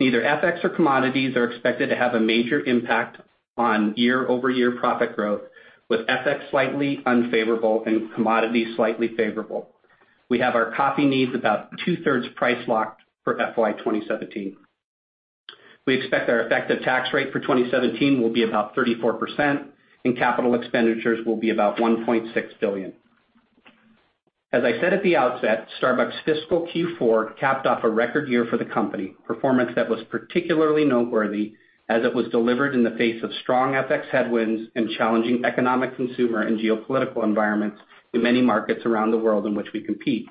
Neither FX nor commodities are expected to have a major impact on year-over-year profit growth, with FX slightly unfavorable and commodities slightly favorable. We have our coffee needs about two-thirds price locked for FY 2017. We expect our effective tax rate for 2017 will be about 34%, and capital expenditures will be about $1.6 billion. As I said at the outset, Starbucks' fiscal Q4 capped off a record year for the company, performance that was particularly noteworthy as it was delivered in the face of strong FX headwinds and challenging economic consumer and geopolitical environments in many markets around the world in which we compete.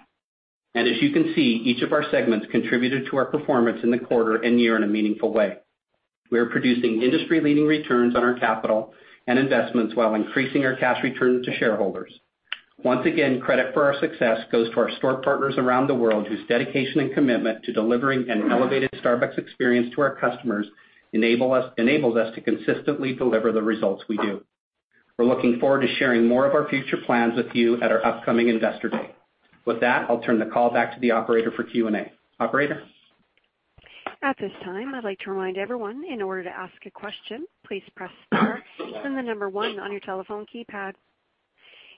As you can see, each of our segments contributed to our performance in the quarter and year in a meaningful way. We are producing industry-leading returns on our capital and investments while increasing our cash return to shareholders. Once again, credit for our success goes to our store partners around the world, whose dedication and commitment to delivering an elevated Starbucks experience to our customers, enables us to consistently deliver the results we do. We're looking forward to sharing more of our future plans with you at our upcoming investor day. With that, I'll turn the call back to the operator for Q&A. Operator?
At this time, I'd like to remind everyone, in order to ask a question, please press star then the number one on your telephone keypad.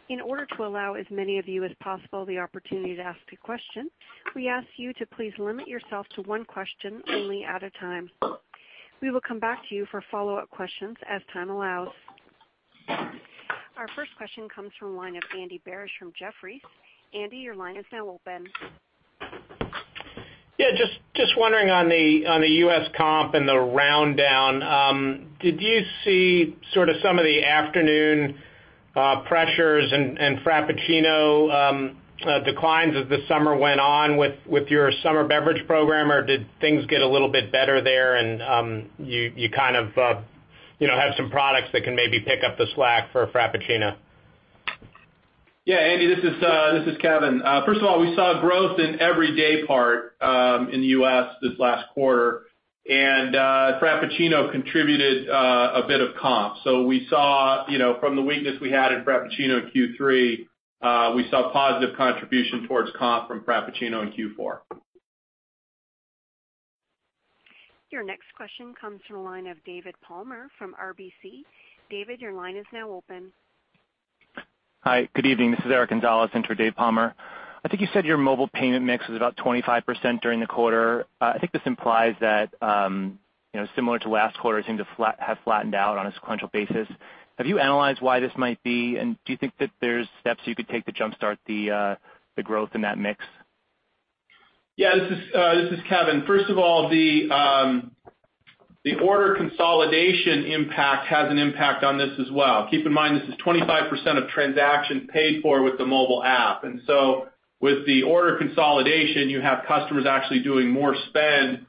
In order to allow as many of you as possible the opportunity to ask a question, we ask you to please limit yourself to one question only at a time. We will come back to you for follow-up questions as time allows. Our first question comes from the line of Andy Barish from Jefferies. Andy, your line is now open.
Yeah, just wondering on the U.S. comp and the round down, did you see some of the afternoon pressures and Frappuccino declines as the summer went on with your summer beverage program, did things get a little bit better there and you have some products that can maybe pick up the slack for Frappuccino?
Andy, this is Kevin. We saw growth in every day part in the U.S. this last quarter, and Frappuccino contributed a bit of comp. We saw from the weakness we had in Frappuccino in Q3, we saw positive contribution towards comp from Frappuccino in Q4.
Your next question comes from the line of David Palmer from RBC. David, your line is now open.
Hi. Good evening. This is Eric Gonzalez in for Dave Palmer. I think you said your mobile payment mix was about 25% during the quarter. I think this implies that, similar to last quarter, it seemed to have flattened out on a sequential basis. Have you analyzed why this might be, and do you think that there's steps you could take to jumpstart the growth in that mix?
This is Kevin. The order consolidation impact has an impact on this as well. Keep in mind, this is 25% of transactions paid for with the mobile app. With the order consolidation, you have customers actually doing more spend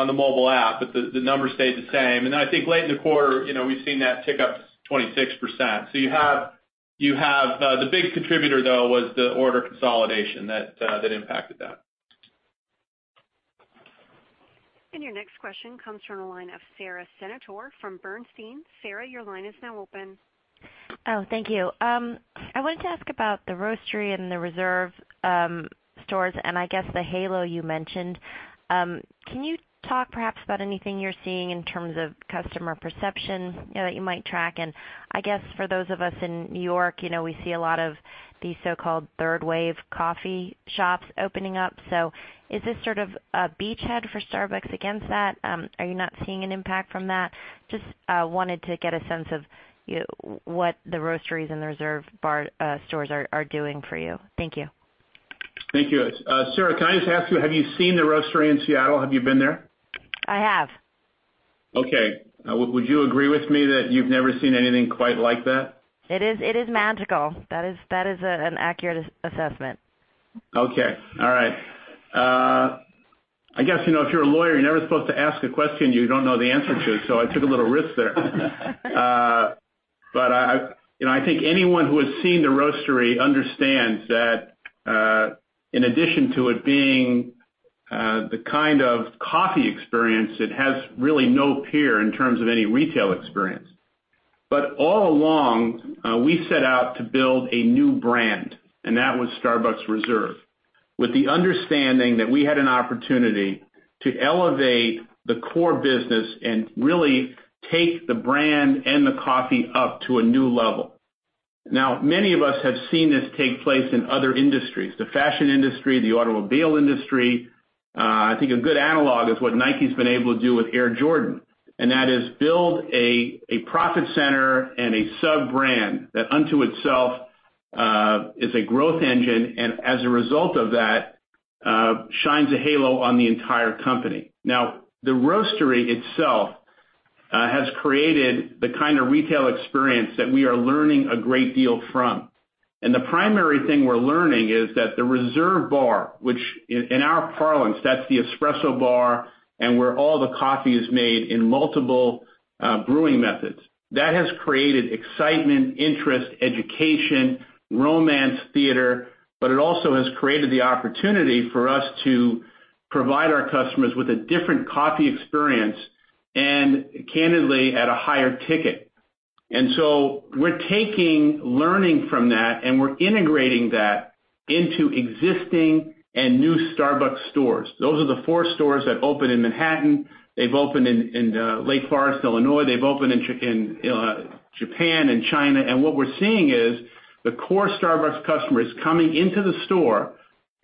on the mobile app, but the number stayed the same. I think late in the quarter, we've seen that tick up to 26%. The big contributor, though, was the order consolidation that impacted that.
Your next question comes from the line of Sara Senatore from Bernstein. Sara, your line is now open.
Oh, thank you. I wanted to ask about the Roastery and the Reserve stores, I guess the halo you mentioned. Can you talk perhaps about anything you're seeing in terms of customer perception that you might track? I guess for those of us in New York, we see a lot of these so-called third wave coffee shops opening up. Is this sort of a beachhead for Starbucks against that? Are you not seeing an impact from that? Just wanted to get a sense of what the Roasteries and the Reserve bar stores are doing for you. Thank you.
Thank you. Sara, can I just ask you, have you seen the Roastery in Seattle? Have you been there?
I have.
Would you agree with me that you've never seen anything quite like that?
It is magical. That is an accurate assessment.
I guess, if you're a lawyer, you're never supposed to ask a question you don't know the answer to, I took a little risk there. I think anyone who has seen the Roastery understands that in addition to it being the kind of coffee experience, it has really no peer in terms of any retail experience. All along, we set out to build a new brand, and that was Starbucks Reserve, with the understanding that we had an opportunity to elevate the core business and really take the brand and the coffee up to a new level. Many of us have seen this take place in other industries, the fashion industry, the automobile industry. I think a good analog is what Nike's been able to do with Air Jordan, and that is build a profit center and a sub-brand that unto itself is a growth engine and as a result of that, shines a halo on the entire company. The Roastery itself Has created the kind of retail experience that we are learning a great deal from. The primary thing we're learning is that the Reserve bar, which in our parlance, that's the espresso bar and where all the coffee is made in multiple brewing methods. That has created excitement, interest, education, romance, theater, it also has created the opportunity for us to provide our customers with a different coffee experience and candidly, at a higher ticket. We're taking, learning from that, and we're integrating that into existing and new Starbucks stores. Those are the four stores that opened in Manhattan. They've opened in Lake Forest, Illinois, they've opened in Japan and China. What we're seeing is the core Starbucks customers coming into the store,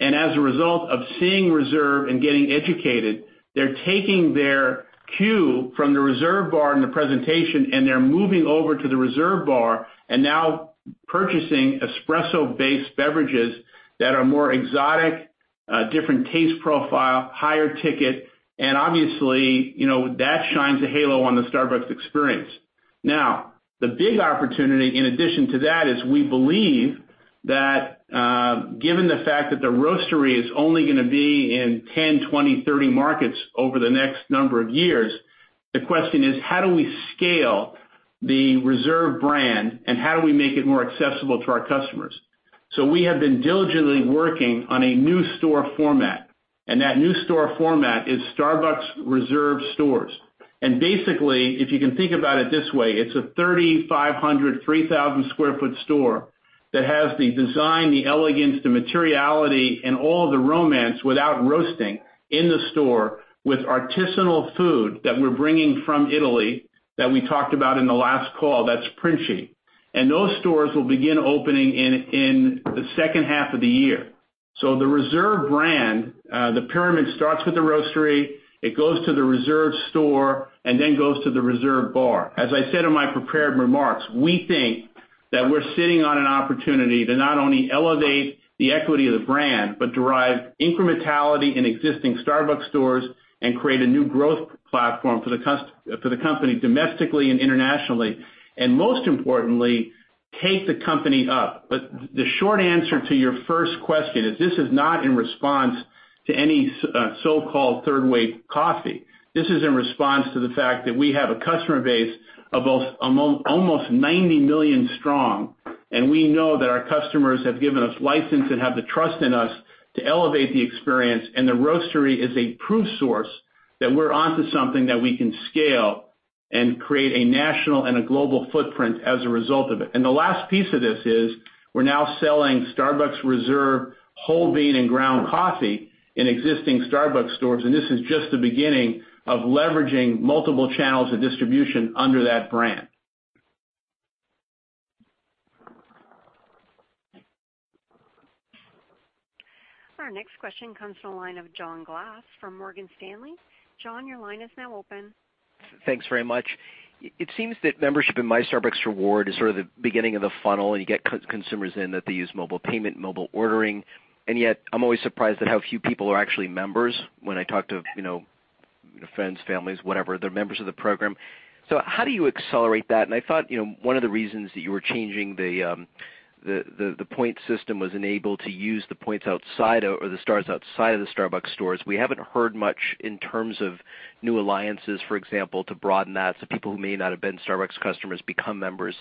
and as a result of seeing Reserve and getting educated, they're taking their cue from the Reserve bar and the presentation, and they're moving over to the Reserve bar and now purchasing espresso-based beverages that are more exotic, different taste profile, higher ticket, and obviously, that shines a halo on the Starbucks experience. The big opportunity in addition to that is we believe that, given the fact that the Roastery is only going to be in 10, 20, 30 markets over the next number of years, the question is, how do we scale the Reserve brand and how do we make it more accessible to our customers? We have been diligently working on a new store format, and that new store format is Starbucks Reserve stores. Basically, if you can think about it this way, it's a 3,500, 3,000 sq ft store that has the design, the elegance, the materiality, and all the romance without roasting in the store with artisanal food that we're bringing from Italy that we talked about in the last call, that's Princi. Those stores will begin opening in the second half of the year. The Reserve brand, the pyramid starts with the Roastery, it goes to the Reserve store, and then goes to the Reserve bar. As I said in my prepared remarks, we think that we're sitting on an opportunity to not only elevate the equity of the brand but derive incrementality in existing Starbucks stores and create a new growth platform for the company domestically and internationally, and most importantly, take the company up. The short answer to your first question is this is not in response to any so-called third-wave coffee. This is in response to the fact that we have a customer base of almost 90 million strong, and we know that our customers have given us license and have the trust in us to elevate the experience. The Roastery is a proof source that we're onto something that we can scale and create a national and a global footprint as a result of it. The last piece of this is we're now selling Starbucks Reserve whole bean and ground coffee in existing Starbucks stores, and this is just the beginning of leveraging multiple channels of distribution under that brand.
Our next question comes from the line of John Glass from Morgan Stanley. John, your line is now open.
Thanks very much. It seems that membership in My Starbucks Rewards is sort of the beginning of the funnel, and you get consumers in that they use mobile payment, mobile ordering, and yet I'm always surprised at how few people are actually members when I talk to friends, families, whatever, they're members of the program. How do you accelerate that? I thought one of the reasons that you were changing the point system was enabled to use the points outside of, or the stars outside of the Starbucks stores. We haven't heard much in terms of new alliances, for example, to broaden that. People who may not have been Starbucks customers become members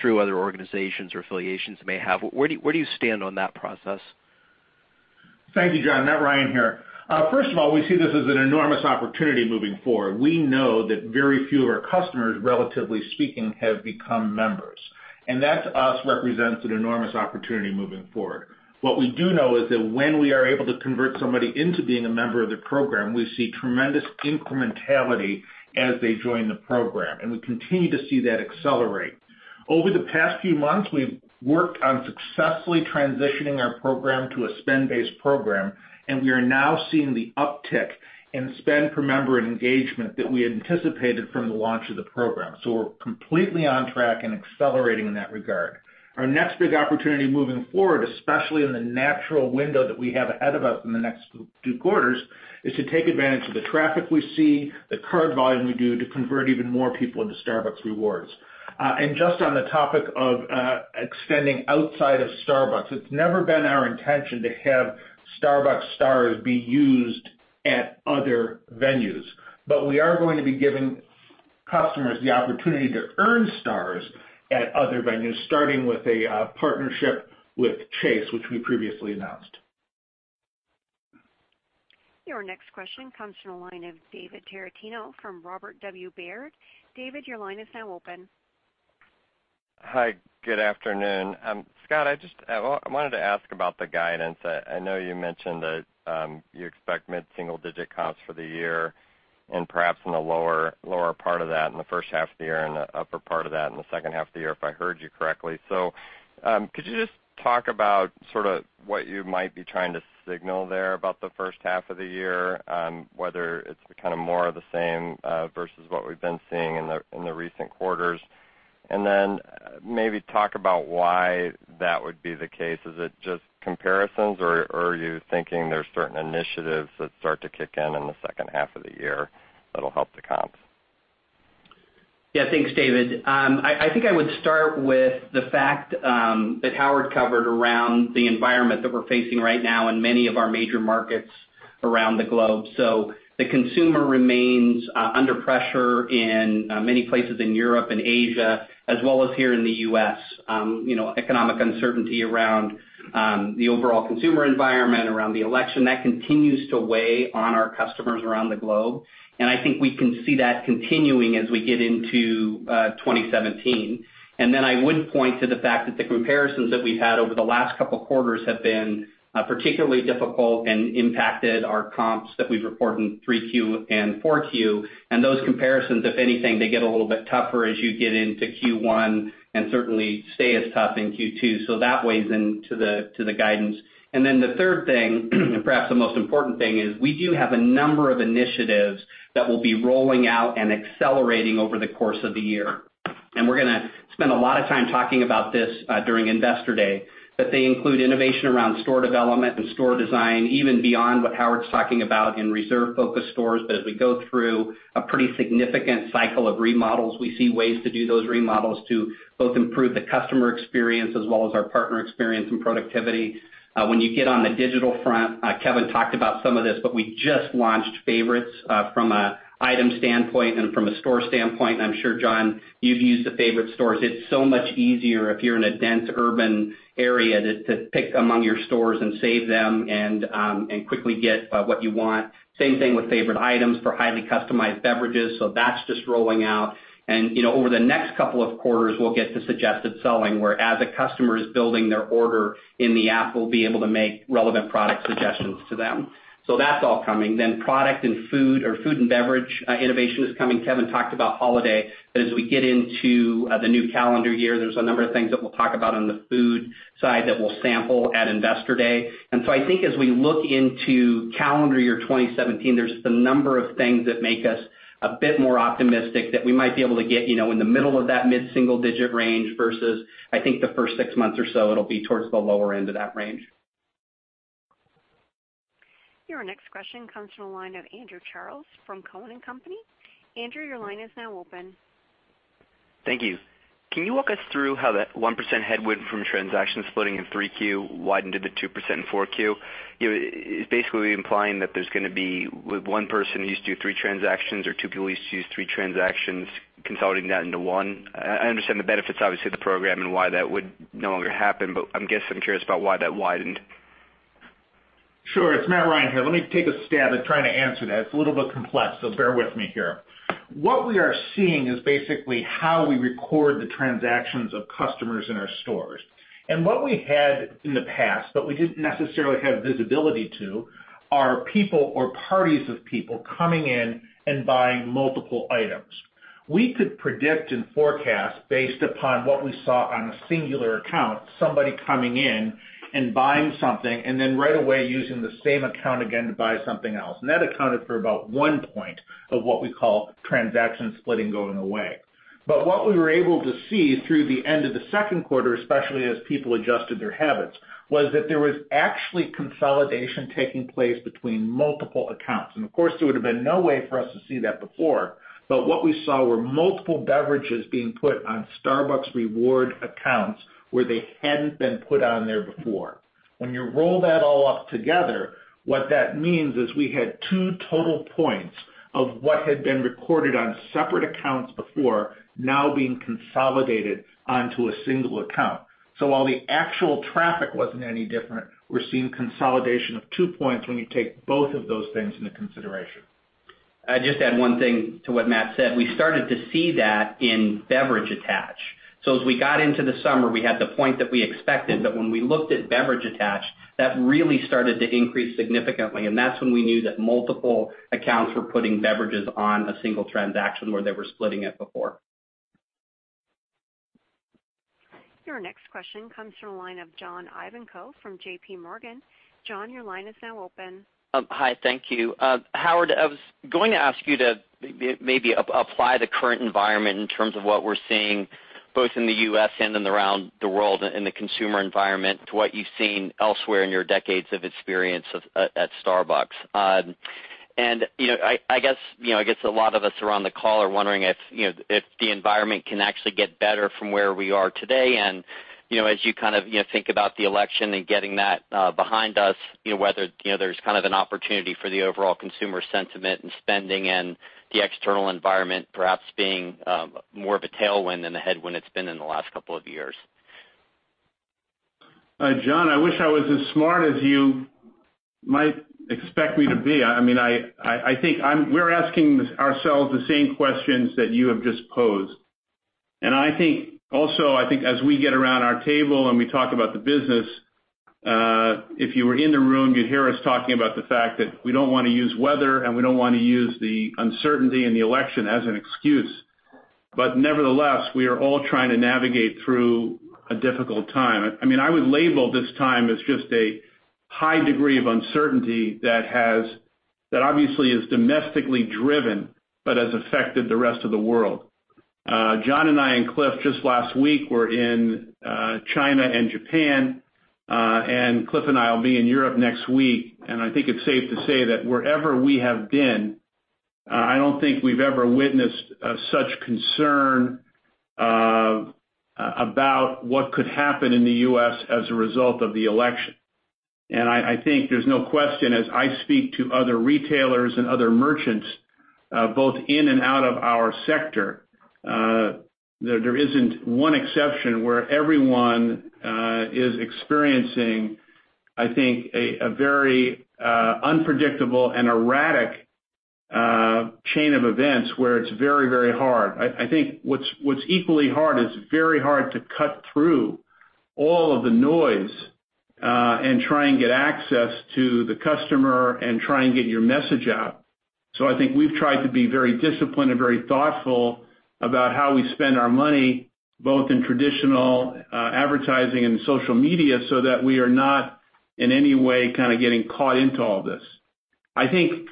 through other organizations or affiliations may have. Where do you stand on that process?
Thank you, John. Matt Ryan here. First of all, we see this as an enormous opportunity moving forward. We know that very few of our customers, relatively speaking, have become members. That to us represents an enormous opportunity moving forward. What we do know is that when we are able to convert somebody into being a member of the program, we see tremendous incrementality as they join the program, and we continue to see that accelerate. Over the past few months, we've worked on successfully transitioning our program to a spend-based program, and we are now seeing the uptick in spend per member engagement that we anticipated from the launch of the program. We're completely on track and accelerating in that regard. Our next big opportunity moving forward, especially in the natural window that we have ahead of us in the next two quarters, is to take advantage of the traffic we see, the card volume we do to convert even more people into Starbucks Rewards. Just on the topic of extending outside of Starbucks, it's never been our intention to have Starbucks stars be used at other venues. We are going to be giving customers the opportunity to earn stars at other venues, starting with a partnership with Chase, which we previously announced.
Your next question comes from the line of David Tarantino from Robert W. Baird. David, your line is now open.
Hi, good afternoon. Scott, I wanted to ask about the guidance. I know you mentioned that you expect mid-single digit comps for the year and perhaps in the lower part of that in the first half of the year and the upper part of that in the second half of the year, if I heard you correctly. Could you just talk about what you might be trying to signal there about the first half of the year, whether it's kind of more of the same versus what we've been seeing in the recent quarters? Maybe talk about why that would be the case. Is it just comparisons, or are you thinking there's certain initiatives that start to kick in in the second half of the year that'll help the comps?
Yeah. Thanks, David. I think I would start with the fact that Howard covered around the environment that we're facing right now in many of our major markets around the globe. The consumer remains under pressure in many places in Europe and Asia, as well as here in the U.S. Economic uncertainty around the overall consumer environment, around the election, that continues to weigh on our customers around the globe, and I think we can see that continuing as we get into 2017. I would point to the fact that the comparisons that we've had over the last couple of quarters have been particularly difficult and impacted our comps that we've reported in Q3 and Q4. Those comparisons, if anything, they get a little bit tougher as you get into Q1 and certainly stay as tough in Q2. That weighs into the guidance. The third thing, and perhaps the most important thing is we do have a number of initiatives that we'll be rolling out and accelerating over the course of the year. We're going to spend a lot of time talking about this during Investor Day, but they include innovation around store development and store design, even beyond what Howard's talking about in Reserve-focused stores. As we go through a pretty significant cycle of remodels, we see ways to do those remodels to both improve the customer experience as well as our partner experience and productivity. When you get on the digital front, Kevin talked about some of this, but we just launched Favorites from an item standpoint and from a store standpoint. I'm sure, John, you've used the Favorite stores. It's so much easier if you're in a dense urban area to pick among your stores and save them and quickly get what you want. Same thing with Favorite Items for highly customized beverages. That's just rolling out. Over the next couple of quarters, we'll get to suggested selling, where as a customer is building their order in the app, we'll be able to make relevant product suggestions to them. That's all coming. Product and food or food and beverage innovation is coming. Kevin talked about holiday. As we get into the new calendar year, there's a number of things that we'll talk about on the food side that we'll sample at Investor Day. I think as we look into calendar year 2017, there's just a number of things that make us a bit more optimistic that we might be able to get in the middle of that mid-single digit range versus, I think the first six months or so it'll be towards the lower end of that range.
Your next question comes from the line of Andrew Charles from Cowen and Company. Andrew, your line is now open.
Thank you. Can you walk us through how that 1% headwind from transaction splitting in Q3 widened to the 2% in Q4? It's basically implying that there's going to be one person who used to do three transactions or two people used to do three transactions, consolidating that into one. I understand the benefits, obviously, of the program and why that would no longer happen, but I guess I'm curious about why that widened.
Sure. It is Matt Ryan here. Let me take a stab at trying to answer that. It is a little bit complex, so bear with me here. What we are seeing is basically how we record the transactions of customers in our stores. What we had in the past, but we did not necessarily have visibility to, are people or parties of people coming in and buying multiple items. We could predict and forecast based upon what we saw on a singular account, somebody coming in and buying something and then right away using the same account again to buy something else. That accounted for about one point of what we call transaction splitting going away. What we were able to see through the end of the second quarter, especially as people adjusted their habits, was that there was actually consolidation taking place between multiple accounts. Of course, there would have been no way for us to see that before. What we saw were multiple beverages being put on Starbucks Rewards accounts where they had not been put on there before. When you roll that all up together, what that means is we had two total points of what had been recorded on separate accounts before now being consolidated onto a single account. While the actual traffic was not any different, we are seeing consolidation of two points when you take both of those things into consideration.
I would just add one thing to what Matt said. We started to see that in beverage attach. As we got into the summer, we had the point that we expected, when we looked at beverage attach, that really started to increase significantly, and that is when we knew that multiple accounts were putting beverages on a single transaction where they were splitting it before.
Your next question comes from the line of John Ivankoe from JP Morgan. John, your line is now open.
Hi. Thank you. Howard, I was going to ask you to maybe apply the current environment in terms of what we're seeing both in the U.S. and then around the world in the consumer environment to what you've seen elsewhere in your decades of experience at Starbucks. I guess a lot of us around the call are wondering if the environment can actually get better from where we are today and, as you think about the election and getting that behind us, whether there's an opportunity for the overall consumer sentiment and spending and the external environment perhaps being more of a tailwind than the headwind it's been in the last couple of years.
John, I wish I was as smart as you might expect me to be. I think we're asking ourselves the same questions that you have just posed. I think also, I think as we get around our table and we talk about the business, if you were in the room, you'd hear us talking about the fact that we don't want to use weather, and we don't want to use the uncertainty in the election as an excuse. Nevertheless, we are all trying to navigate through a difficult time. I would label this time as just a high degree of uncertainty. That obviously is domestically driven, but has affected the rest of the world. John and I, and Cliff, just last week were in China and Japan, and Cliff and I will be in Europe next week. I think it's safe to say that wherever we have been, I don't think we've ever witnessed such concern about what could happen in the U.S. as a result of the election. I think there's no question, as I speak to other retailers and other merchants, both in and out of our sector, there isn't one exception where everyone is experiencing, I think, a very unpredictable and erratic chain of events where it's very hard. I think what's equally hard is very hard to cut through all of the noise, and try and get access to the customer and try and get your message out. I think we've tried to be very disciplined and very thoughtful about how we spend our money, both in traditional advertising and social media, so that we are not in any way kind of getting caught into all this. I think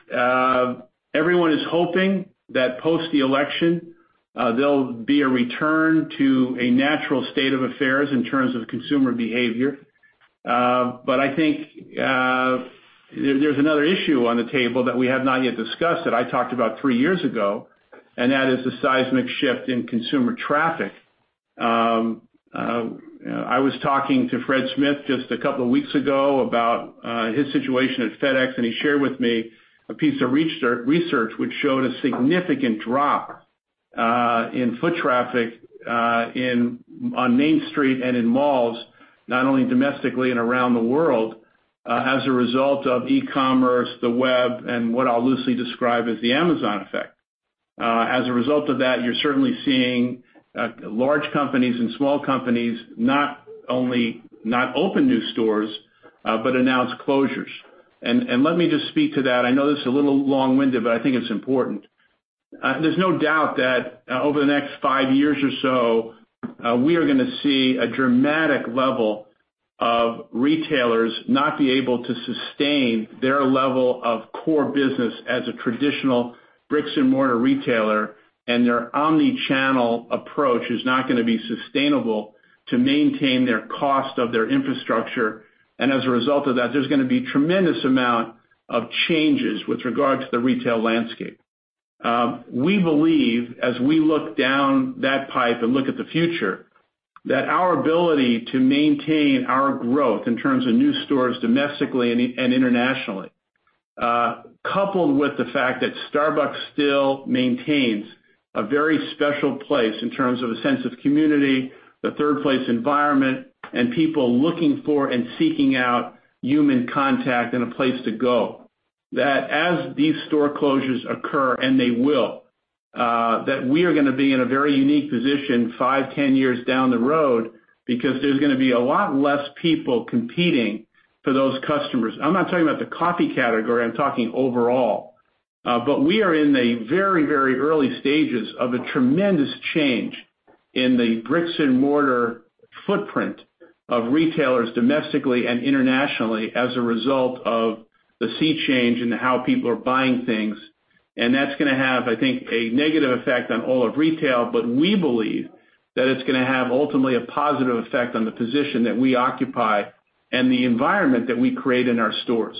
everyone is hoping that post the election, there'll be a return to a natural state of affairs in terms of consumer behavior. I think there's another issue on the table that we have not yet discussed, that I talked about three years ago, and that is the seismic shift in consumer traffic. I was talking to Fred Smith just a couple of weeks ago about his situation at FedEx, he shared with me a piece of research which showed a significant drop in foot traffic on Main Street and in malls, not only domestically and around the world, as a result of e-commerce, the web, and what I'll loosely describe as the Amazon effect. As a result of that, you're certainly seeing large companies and small companies not only not open new stores, but announce closures. Let me just speak to that. I know this is a little long-winded, I think it's important. There's no doubt that over the next five years or so, we are going to see a dramatic level of retailers not be able to sustain their level of core business as a traditional bricks-and-mortar retailer, their omni-channel approach is not going to be sustainable to maintain their cost of their infrastructure. As a result of that, there's going to be tremendous amount of changes with regard to the retail landscape. We believe, as we look down that pipe and look at the future, that our ability to maintain our growth in terms of new stores domestically and internationally, coupled with the fact that Starbucks still maintains a very special place in terms of a sense of community, the third place environment, and people looking for and seeking out human contact and a place to go. That as these store closures occur, and they will, we are going to be in a very unique position five, 10 years down the road because there's going to be a lot less people competing for those customers. I'm not talking about the coffee category, I'm talking overall. We are in the very, very early stages of a tremendous change in the bricks-and-mortar footprint of retailers domestically and internationally as a result of the sea change in how people are buying things. That's going to have, I think, a negative effect on all of retail, but we believe that it's going to have ultimately a positive effect on the position that we occupy and the environment that we create in our stores.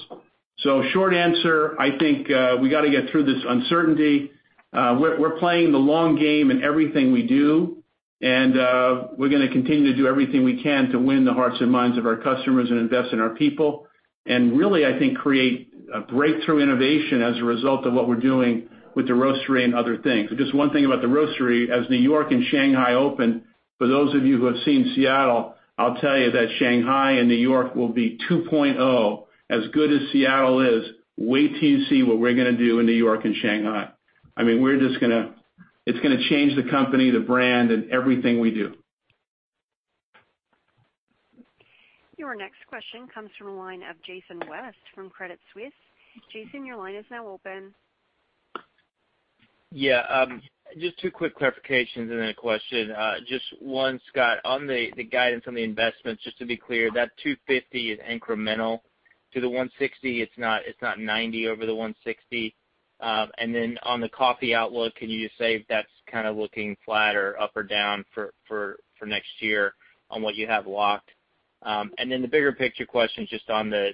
Short answer, I think we got to get through this uncertainty. We're playing the long game in everything we do, we're going to continue to do everything we can to win the hearts and minds of our customers and invest in our people. Really, I think, create a breakthrough innovation as a result of what we're doing with the Roastery and other things. One thing about the Roastery, as New York and Shanghai open, for those of you who have seen Seattle, I'll tell you that Shanghai and New York will be 2.0. As good as Seattle is, wait till you see what we're going to do in New York and Shanghai. It's going to change the company, the brand, and everything we do.
Your next question comes from the line of Jason West from Credit Suisse. Jason, your line is now open.
Yeah. Just two quick clarifications and then a question. Just one, Scott, on the guidance on the investments, just to be clear, that 250 is incremental to the 160. It's not 90 over the 160. On the coffee outlook, can you just say if that's kind of looking flat or up or down for next year on what you have locked? The bigger picture question, just on the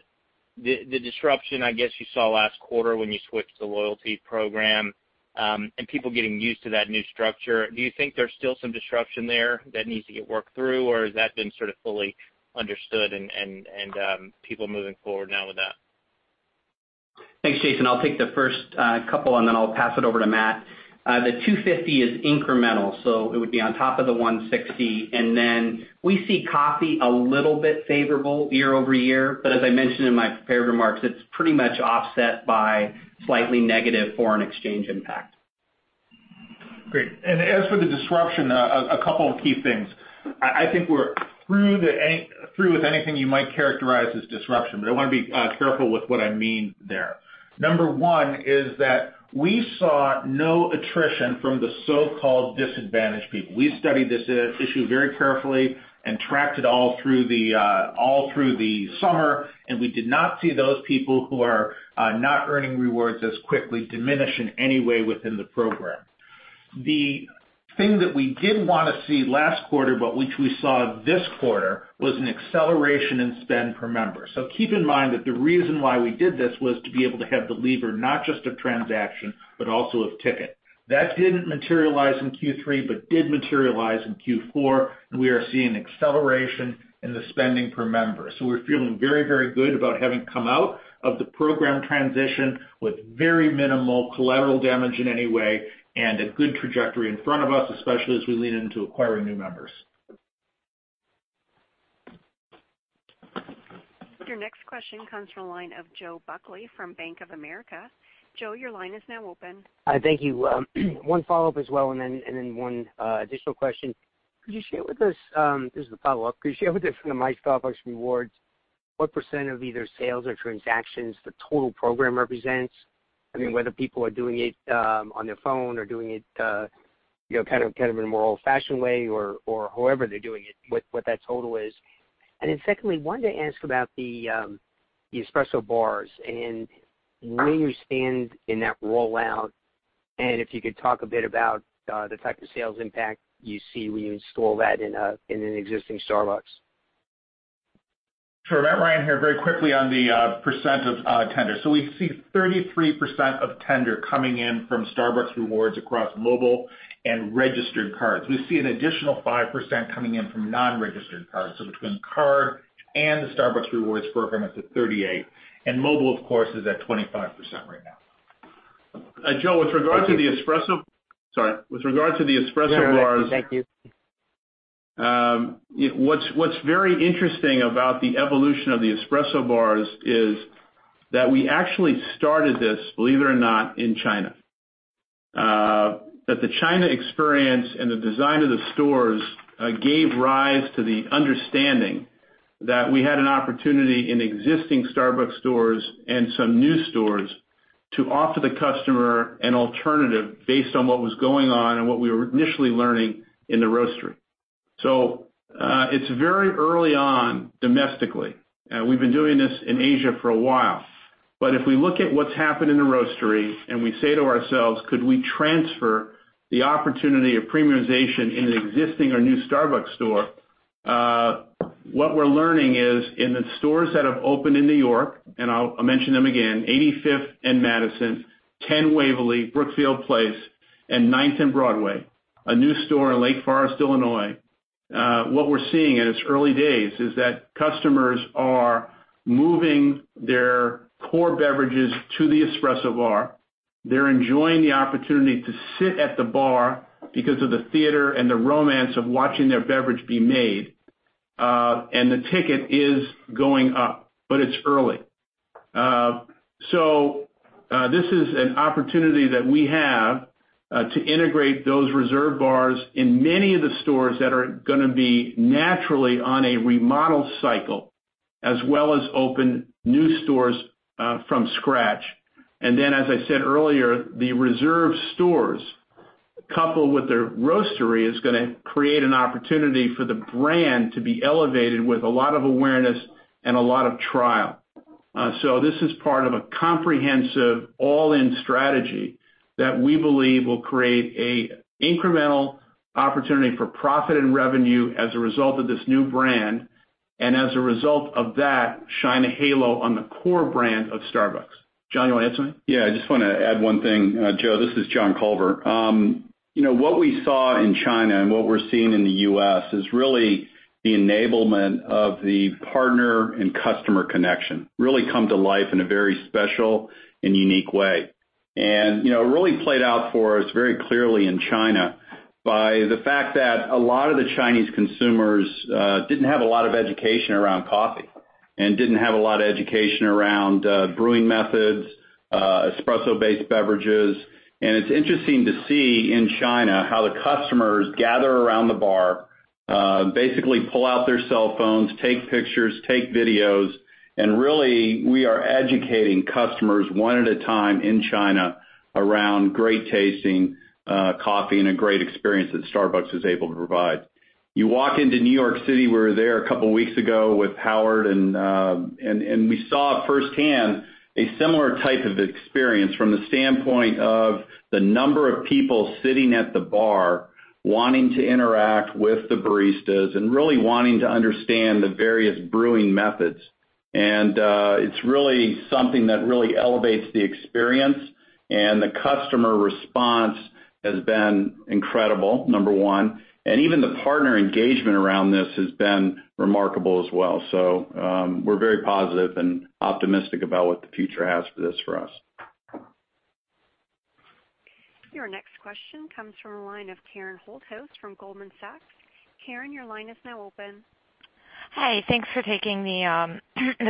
disruption, I guess you saw last quarter when you switched the loyalty program, and people getting used to that new structure. Do you think there's still some disruption there that needs to get worked through, or has that been sort of fully understood and people moving forward now with that?
Thanks, Jason. I'll take the first couple, then I'll pass it over to Matt. The 250 is incremental, so it would be on top of the 160. We see coffee a little bit favorable year-over-year. As I mentioned in my prepared remarks, it's pretty much offset by slightly negative foreign exchange impact.
Great. As for the disruption, a couple of key things. I think we're through with anything you might characterize as disruption, but I want to be careful with what I mean there. Number one is that we saw no attrition from the so-called disadvantaged people. We studied this issue very carefully and tracked it all through the summer, we did not see those people who are not earning rewards as quickly diminish in any way within the program. The thing that we didn't want to see last quarter, but which we saw this quarter, was an acceleration in spend per member. Keep in mind that the reason why we did this was to be able to have the lever not just of transaction, but also of ticket. That didn't materialize in Q3, but did materialize in Q4, we are seeing acceleration in the spending per member. We're feeling very good about having come out of the program transition with very minimal collateral damage in any way and a good trajectory in front of us, especially as we lean into acquiring new members.
Your next question comes from the line of Joe Buckley from Bank of America. Joe, your line is now open.
Hi, thank you. One follow-up as well, one additional question. This is the follow-up. Could you share with us, from the My Starbucks Rewards, what % of either sales or transactions the total program represents? I mean, whether people are doing it on their phone or doing it in a more old-fashioned way or however they're doing it, what that total is. Secondly, wanted to ask about the espresso bars and where you stand in that rollout. If you could talk a bit about the type of sales impact you see when you install that in an existing Starbucks.
Sure. Matt Ryan here. Very quickly on the % of tender. We see 33% of tender coming in from Starbucks Rewards across mobile and registered cards. We see an additional 5% coming in from non-registered cards. Between card and the Starbucks Rewards program, it's at 38%. Mobile, of course, is at 25% right now.
Okay.
Sorry. With regard to the espresso bars.
No, no. That's okay. Thank you.
What's very interesting about the evolution of the espresso bars is that we actually started this, believe it or not, in China. The China experience and the design of the stores gave rise to the understanding that we had an opportunity in existing Starbucks stores and some new stores to offer the customer an alternative based on what was going on and what we were initially learning in the Roastery. It's very early on domestically. We've been doing this in Asia for a while. If we look at what's happened in the Roastery, and we say to ourselves, could we transfer the opportunity of premiumization in an existing or new Starbucks store? What we're learning is in the stores that have opened in New York, and I'll mention them again, 85th and Madison, 10 Waverly, Brookfield Place, and 9th and Broadway, a new store in Lake Forest, Illinois. What we're seeing, and it's early days, is that customers are moving their core beverages to the espresso bar. They're enjoying the opportunity to sit at the bar because of the theater and the romance of watching their beverage be made. The ticket is going up, but it's early. This is an opportunity that we have to integrate those Reserve bars in many of the stores that are going to be naturally on a remodel cycle, as well as open new stores from scratch. As I said earlier, the Starbucks Reserve stores, coupled with their Starbucks Reserve Roastery, is going to create an opportunity for the brand to be elevated with a lot of awareness and a lot of trial. This is part of a comprehensive all-in strategy that we believe will create an incremental opportunity for profit and revenue as a result of this new brand, and as a result of that, shine a halo on the core brand of Starbucks. John, you want to add something?
Yeah, I just want to add one thing. Joe, this is John Culver. What we saw in China and what we're seeing in the U.S. is really the enablement of the partner and customer connection really come to life in a very special and unique way. It really played out for us very clearly in China by the fact that a lot of the Chinese consumers didn't have a lot of education around coffee and didn't have a lot of education around brewing methods, espresso-based beverages. It's interesting to see in China how the customers gather around the bar, basically pull out their cell phones, take pictures, take videos, and really, we are educating customers one at a time in China around great-tasting coffee and a great experience that Starbucks is able to provide. You walk into New York City, we were there a couple of weeks ago with Howard, we saw firsthand a similar type of experience from the standpoint of the number of people sitting at the bar wanting to interact with the baristas and really wanting to understand the various brewing methods. It's really something that really elevates the experience, and the customer response has been incredible, number one, and even the partner engagement around this has been remarkable as well. We're very positive and optimistic about what the future has for this for us.
Your next question comes from the line of Karen Holthouse from Goldman Sachs. Karen, your line is now open.
Hi. Thanks for taking the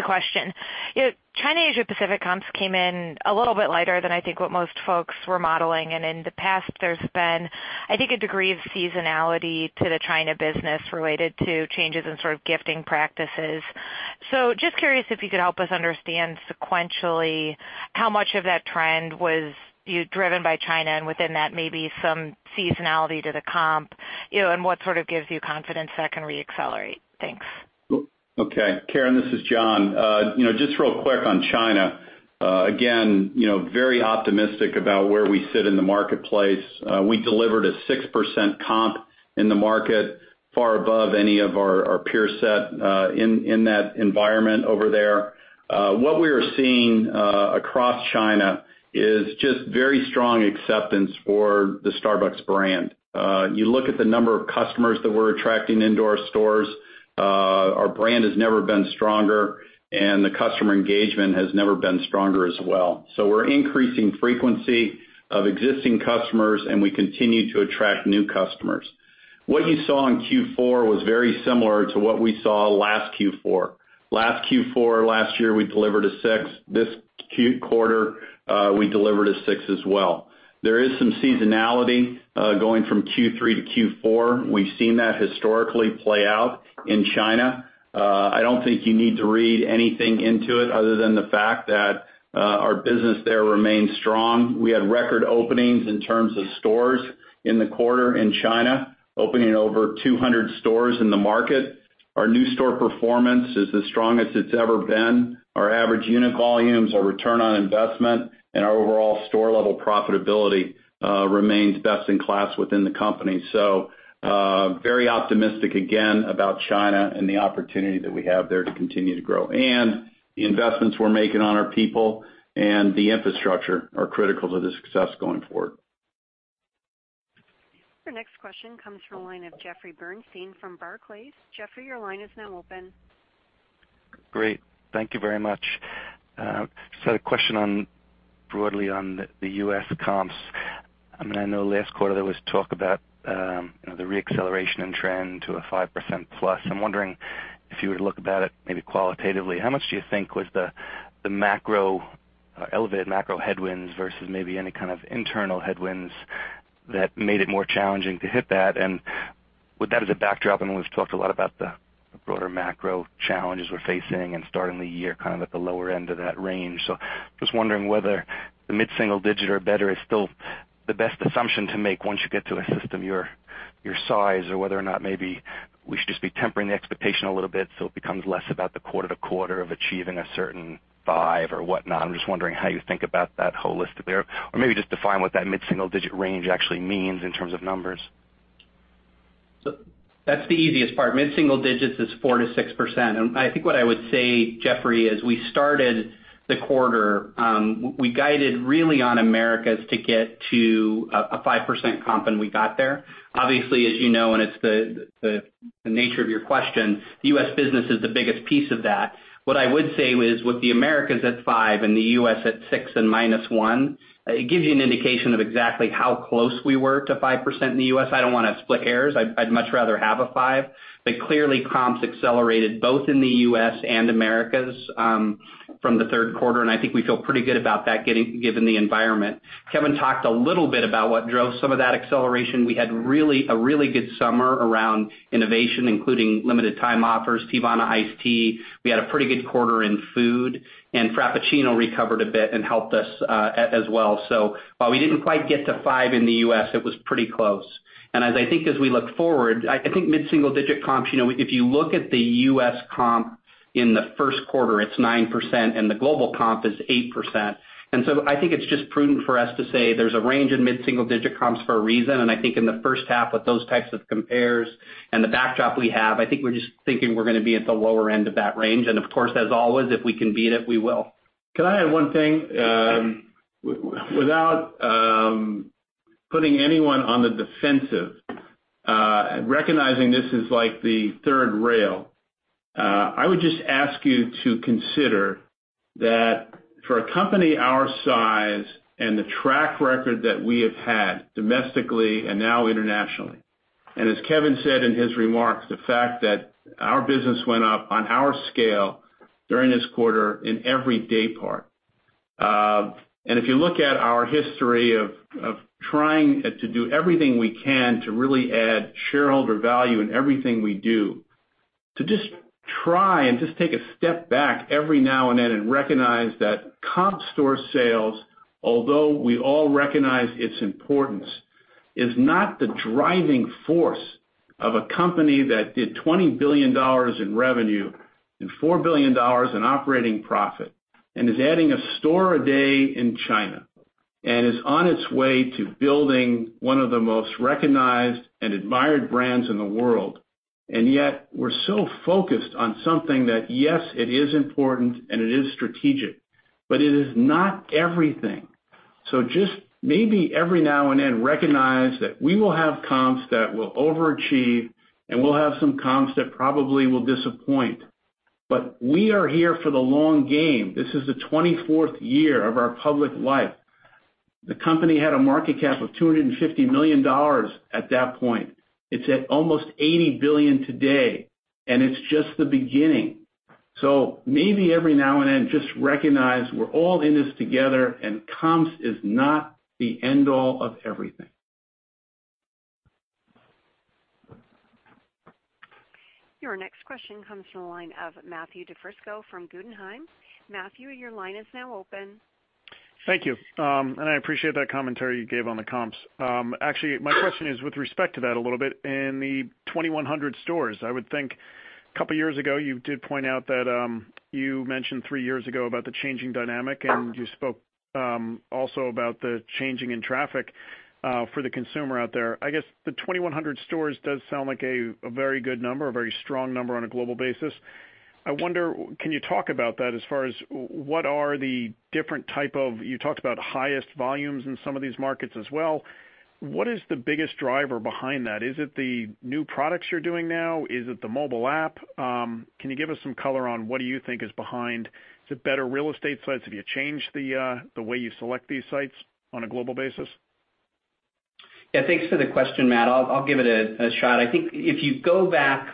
question. China/Asia Pacific comps came in a little bit lighter than I think what most folks were modeling. In the past, there's been, I think, a degree of seasonality to the China business related to changes in gifting practices. Just curious if you could help us understand sequentially how much of that trend was driven by China, and within that, maybe some seasonality to the comp, and what sort of gives you confidence that can reaccelerate? Thanks.
Okay. Karen, this is John. Just real quick on China. Very optimistic about where we sit in the marketplace. We delivered a 6% comp in the market, far above any of our peer set in that environment over there. What we are seeing across China is just very strong acceptance for the Starbucks brand. You look at the number of customers that we're attracting into our stores. Our brand has never been stronger, and the customer engagement has never been stronger as well. We're increasing frequency of existing customers, and we continue to attract new customers. What you saw in Q4 was very similar to what we saw last Q4. Last Q4 last year, we delivered a 6%. This quarter, we delivered a 6% as well. There is some seasonality, going from Q3 to Q4. We've seen that historically play out in China. I don't think you need to read anything into it other than the fact that our business there remains strong. We had record openings in terms of stores in the quarter in China, opening over 200 stores in the market. Our new store performance is the strongest it's ever been. Our average unit volumes, our return on investment, and our overall store-level profitability remains best in class within the company. Very optimistic again about China and the opportunity that we have there to continue to grow. The investments we're making on our people and the infrastructure are critical to the success going forward.
Our next question comes from the line of Jeffrey Bernstein from Barclays. Jeffrey, your line is now open.
Thank you very much. Just had a question broadly on the U.S. comps. I know last quarter there was talk about the reacceleration in trend to a 5% plus. I'm wondering if you were to look about it maybe qualitatively, how much do you think was the elevated macro headwinds versus maybe any kind of internal headwinds that made it more challenging to hit that? With that as a backdrop, I know we've talked a lot about the broader macro challenges we're facing and starting the year kind of at the lower end of that range. Just wondering whether the mid-single digit or better is still the best assumption to make once you get to a system your size, or whether or not maybe we should just be tempering the expectation a little bit so it becomes less about the quarter to quarter of achieving a certain 5 or whatnot. I'm just wondering how you think about that holistically there, or maybe just define what that mid-single digit range actually means in terms of numbers.
That's the easiest part. Mid-single digits is 4% to 6%. I think what I would say, Jeffrey, as we started the quarter, we guided really on Americas to get to a 5% comp, and we got there. Obviously, as you know, and it's the nature of your question, the U.S. business is the biggest piece of that. What I would say is with the Americas at 5% and the U.S. at 6% and -1%, it gives you an indication of exactly how close we were to 5% in the U.S. I don't want to split hairs. I'd much rather have a 5%. Clearly comps accelerated both in the U.S. and Americas from the third quarter, and I think we feel pretty good about that given the environment. Kevin talked a little bit about what drove some of that acceleration. We had a really good summer around innovation, including limited time offers, Teavana Iced Tea. We had a pretty good quarter in food, Frappuccino recovered a bit and helped us as well. While we didn't quite get to 5 in the U.S., it was pretty close. As I think as we look forward, I think mid-single digit comps, if you look at the U.S. comp in the first quarter, it's 9%, and the global comp is 8%. I think it's just prudent for us to say there's a range in mid-single digit comps for a reason, and I think in the first half with those types of compares and the backdrop we have, I think we're just thinking we're going to be at the lower end of that range. Of course, as always, if we can beat it, we will.
Can I add one thing? Without putting anyone on the defensive, recognizing this is like the third rail, I would just ask you to consider that for a company our size and the track record that we have had domestically and now internationally. As Kevin said in his remarks, the fact that our business went up on our scale during this quarter in every day part. If you look at our history of trying to do everything we can to really add shareholder value in everything we do, to just try and just take a step back every now and then and recognize that comp store sales, although we all recognize its importance, is not the driving force of a company that did $20 billion in revenue and $4 billion in operating profit. Is adding a store a day in China, is on its way to building one of the most recognized and admired brands in the world. Yet we're so focused on something that, yes, it is important and it is strategic, but it is not everything. Just maybe every now and then recognize that we will have comps that will overachieve, and we'll have some comps that probably will disappoint. We are here for the long game. This is the 24th year of our public life. The company had a market cap of $250 million at that point. It's at almost $80 billion today. It's just the beginning. Maybe every now and then, just recognize we're all in this together and comps is not the end all of everything.
Your next question comes from the line of Matthew DiFrisco from Guggenheim. Matthew, your line is now open.
Thank you. I appreciate that commentary you gave on the comps. Actually, my question is with respect to that a little bit. In the 2,100 stores, I would think a couple of years ago, you did point out that you mentioned three years ago about the changing in traffic for the consumer out there. I guess the 2,100 stores does sound like a very good number, a very strong number on a global basis. I wonder, can you talk about that as far as what are the different type of? You talked about highest volumes in some of these markets as well. What is the biggest driver behind that? Is it the new products you're doing now? Is it the mobile app? Can you give us some color on what do you think is behind the better real estate sites? Have you changed the way you select these sites on a global basis?
Yeah, thanks for the question, Matt. I'll give it a shot. I think if you go back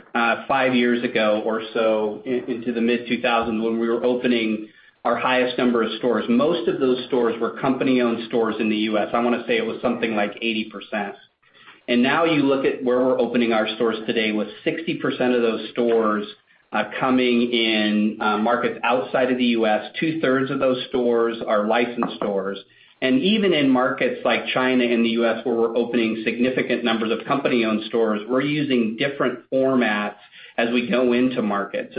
five years ago or so into the mid-2000s, when we were opening our highest number of stores, most of those stores were company-owned stores in the U.S. I want to say it was something like 80%. Now you look at where we're opening our stores today, with 60% of those stores coming in markets outside of the U.S. Two-thirds of those stores are licensed stores. Even in markets like China and the U.S., where we're opening significant numbers of company-owned stores, we're using different formats as we go into markets.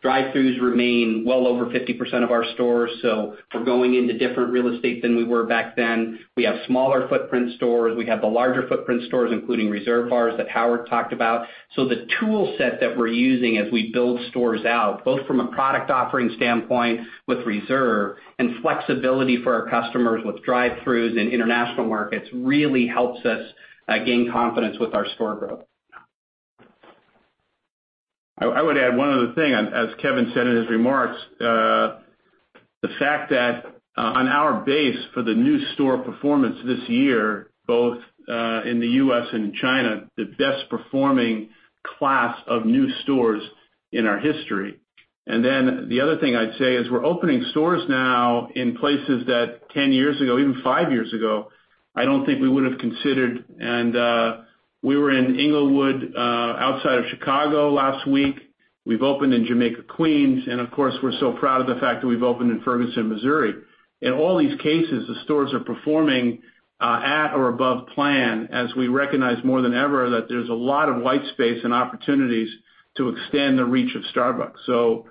Drive-throughs remain well over 50% of our stores. We're going into different real estate than we were back then. We have smaller footprint stores. We have the larger footprint stores, including reserve bars that Howard talked about. The toolset that we're using as we build stores out, both from a product offering standpoint with Reserve and flexibility for our customers with drive-throughs in international markets, really helps us gain confidence with our store growth.
I would add one other thing. As Kevin said in his remarks, the fact that on our base for the new store performance this year, both in the U.S. and China, the best performing class of new stores in our history. The other thing I'd say is we're opening stores now in places that 10 years ago, even five years ago, I don't think we would have considered. We were in Englewood outside of Chicago last week. We've opened in Jamaica, Queens, and of course, we're so proud of the fact that we've opened in Ferguson, Missouri. In all these cases, the stores are performing at or above plan as we recognize more than ever that there's a lot of white space and opportunities to extend the reach of Starbucks.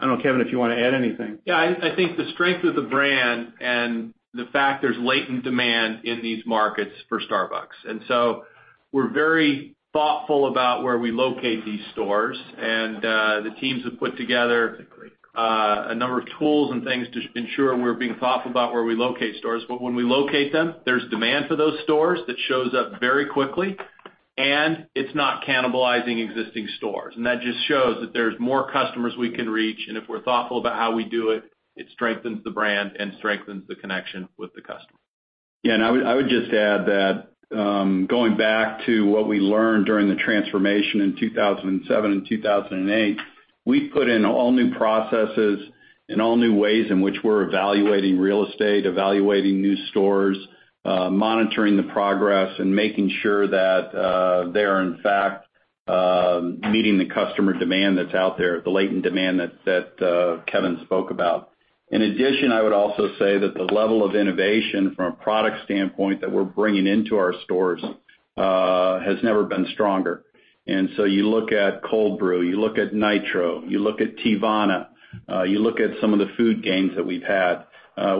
I don't know, Kevin, if you want to add anything.
Yeah, I think the strength of the brand and the fact there's latent demand in these markets for Starbucks. We're very thoughtful about where we locate these stores. The teams have put together a number of tools and things to ensure we're being thoughtful about where we locate stores. When we locate them, there's demand for those stores that shows up very quickly, and it's not cannibalizing existing stores. That just shows that there's more customers we can reach, and if we're thoughtful about how we do it strengthens the brand and strengthens the connection with the customer.
Yeah, I would just add that, going back to what we learned during the transformation in 2007 and 2008, we put in all new processes and all new ways in which we're evaluating real estate, evaluating new stores, monitoring the progress, and making sure that they are, in fact, meeting the customer demand that's out there, the latent demand that Kevin spoke about. In addition, I would also say that the level of innovation from a product standpoint that we're bringing into our stores has never been stronger. You look at Cold Brew, you look at Nitro, you look at Teavana, you look at some of the food gains that we've had.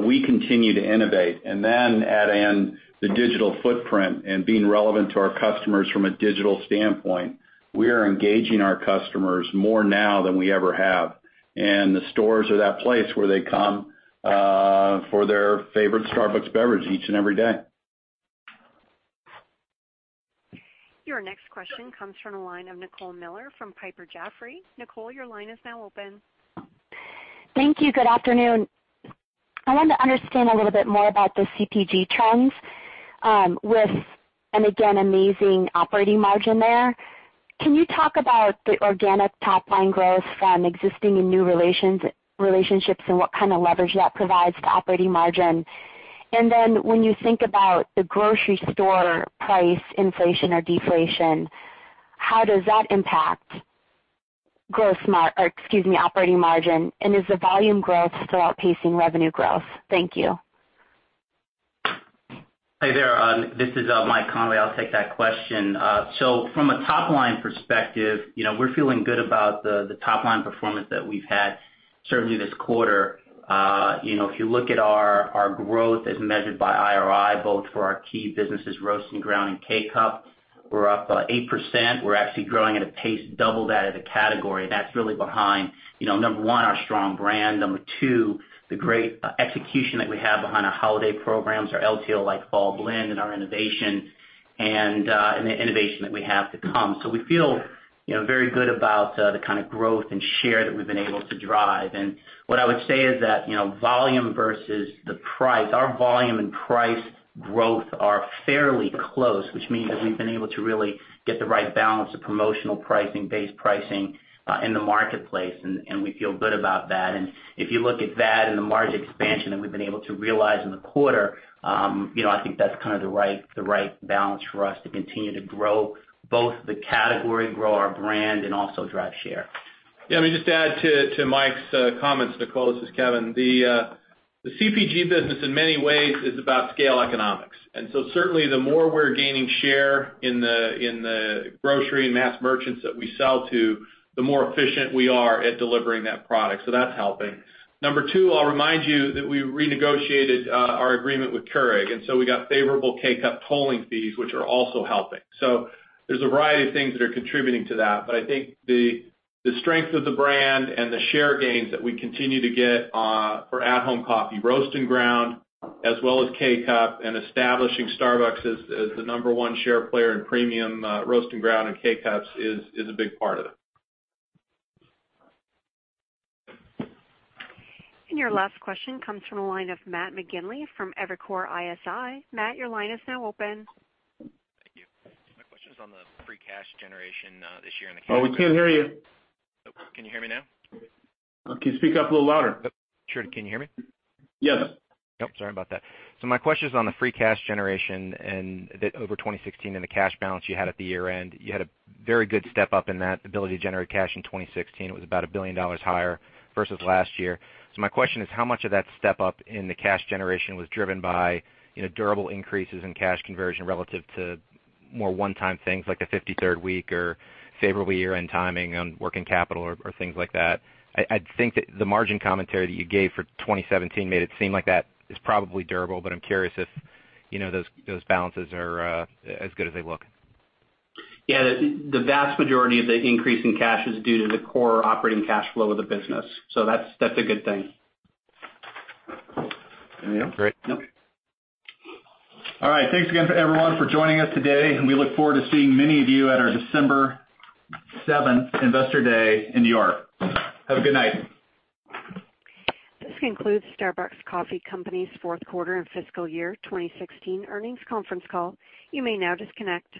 We continue to innovate, and then add in the digital footprint and being relevant to our customers from a digital standpoint. We are engaging our customers more now than we ever have. The stores are that place where they come for their favorite Starbucks beverage each and every day.
Your next question comes from the line of Nicole Miller from Piper Jaffray. Nicole, your line is now open.
Thank you. Good afternoon. I wanted to understand a little bit more about the CPG trends with an, again, amazing operating margin there. Can you talk about the organic top-line growth from existing and new relationships and what kind of leverage that provides to operating margin? Then when you think about the grocery store price inflation or deflation, how does that impact operating margin, and is the volume growth still outpacing revenue growth? Thank you.
Hey there. This is Mike Conway. I'll take that question. From a top-line perspective, we're feeling good about the top-line performance that we've had certainly this quarter. If you look at our growth as measured by IRI, both for our key businesses, Roast and Ground and K-Cup, we're up 8%. We're actually growing at a pace double that of the category. That's really behind, number one, our strong brand. Number two, the great execution that we have behind our holiday programs, our LTO, like Fall Blend and our innovation, and the innovation that we have to come. We feel very good about the kind of growth and share that we've been able to drive. What I would say is that volume versus the price, our volume and price growth are fairly close, which means that we've been able to really get the right balance of promotional pricing, base pricing in the marketplace, and we feel good about that. If you look at that and the margin expansion that we've been able to realize in the quarter, I think that's kind of the right balance for us to continue to grow both the category, grow our brand, and also drive share.
Yeah. Let me just add to Mike's comments, Nicole. This is Kevin. The CPG business in many ways is about scale economics. Certainly the more we're gaining share in the grocery and mass merchants that we sell to, the more efficient we are at delivering that product. That's helping. Number 2, I'll remind you that we renegotiated our agreement with Keurig, and so we got favorable K-Cup tolling fees, which are also helping. There's a variety of things that are contributing to that, but I think the strength of the brand and the share gains that we continue to get for at-home coffee, Roast and Ground, as well as K-Cup, and establishing Starbucks as the number 1 share player in premium Roast and Ground and K-Cups is a big part of it.
Your last question comes from the line of Matt McGinley from Evercore ISI. Matt, your line is now open.
Thank you. My question is on the free cash generation this year.
Oh, we can't hear you.
Can you hear me now?
Can you speak up a little louder?
Sure. Can you hear me?
Yes. Oh, sorry about that. My question is on the free cash generation over 2016 and the cash balance you had at the year-end. You had a very good step-up in that ability to generate cash in 2016. It was about $1 billion higher versus last year. My question is, how much of that step-up in the cash generation was driven by durable increases in cash conversion relative to more one-time things like a 53rd week or favorable year-end timing on working capital or things like that? I think that the margin commentary that you gave for 2017 made it seem like that is probably durable, but I'm curious if those balances are as good as they look.
Yeah. The vast majority of the increase in cash is due to the core operating cash flow of the business. That's a good thing.
Great.
All right. Thanks again everyone for joining us today. We look forward to seeing many of you at our December 7th Investor Day in New York. Have a good night.
This concludes Starbucks Coffee Company's fourth quarter and fiscal year 2016 earnings conference call. You may now disconnect.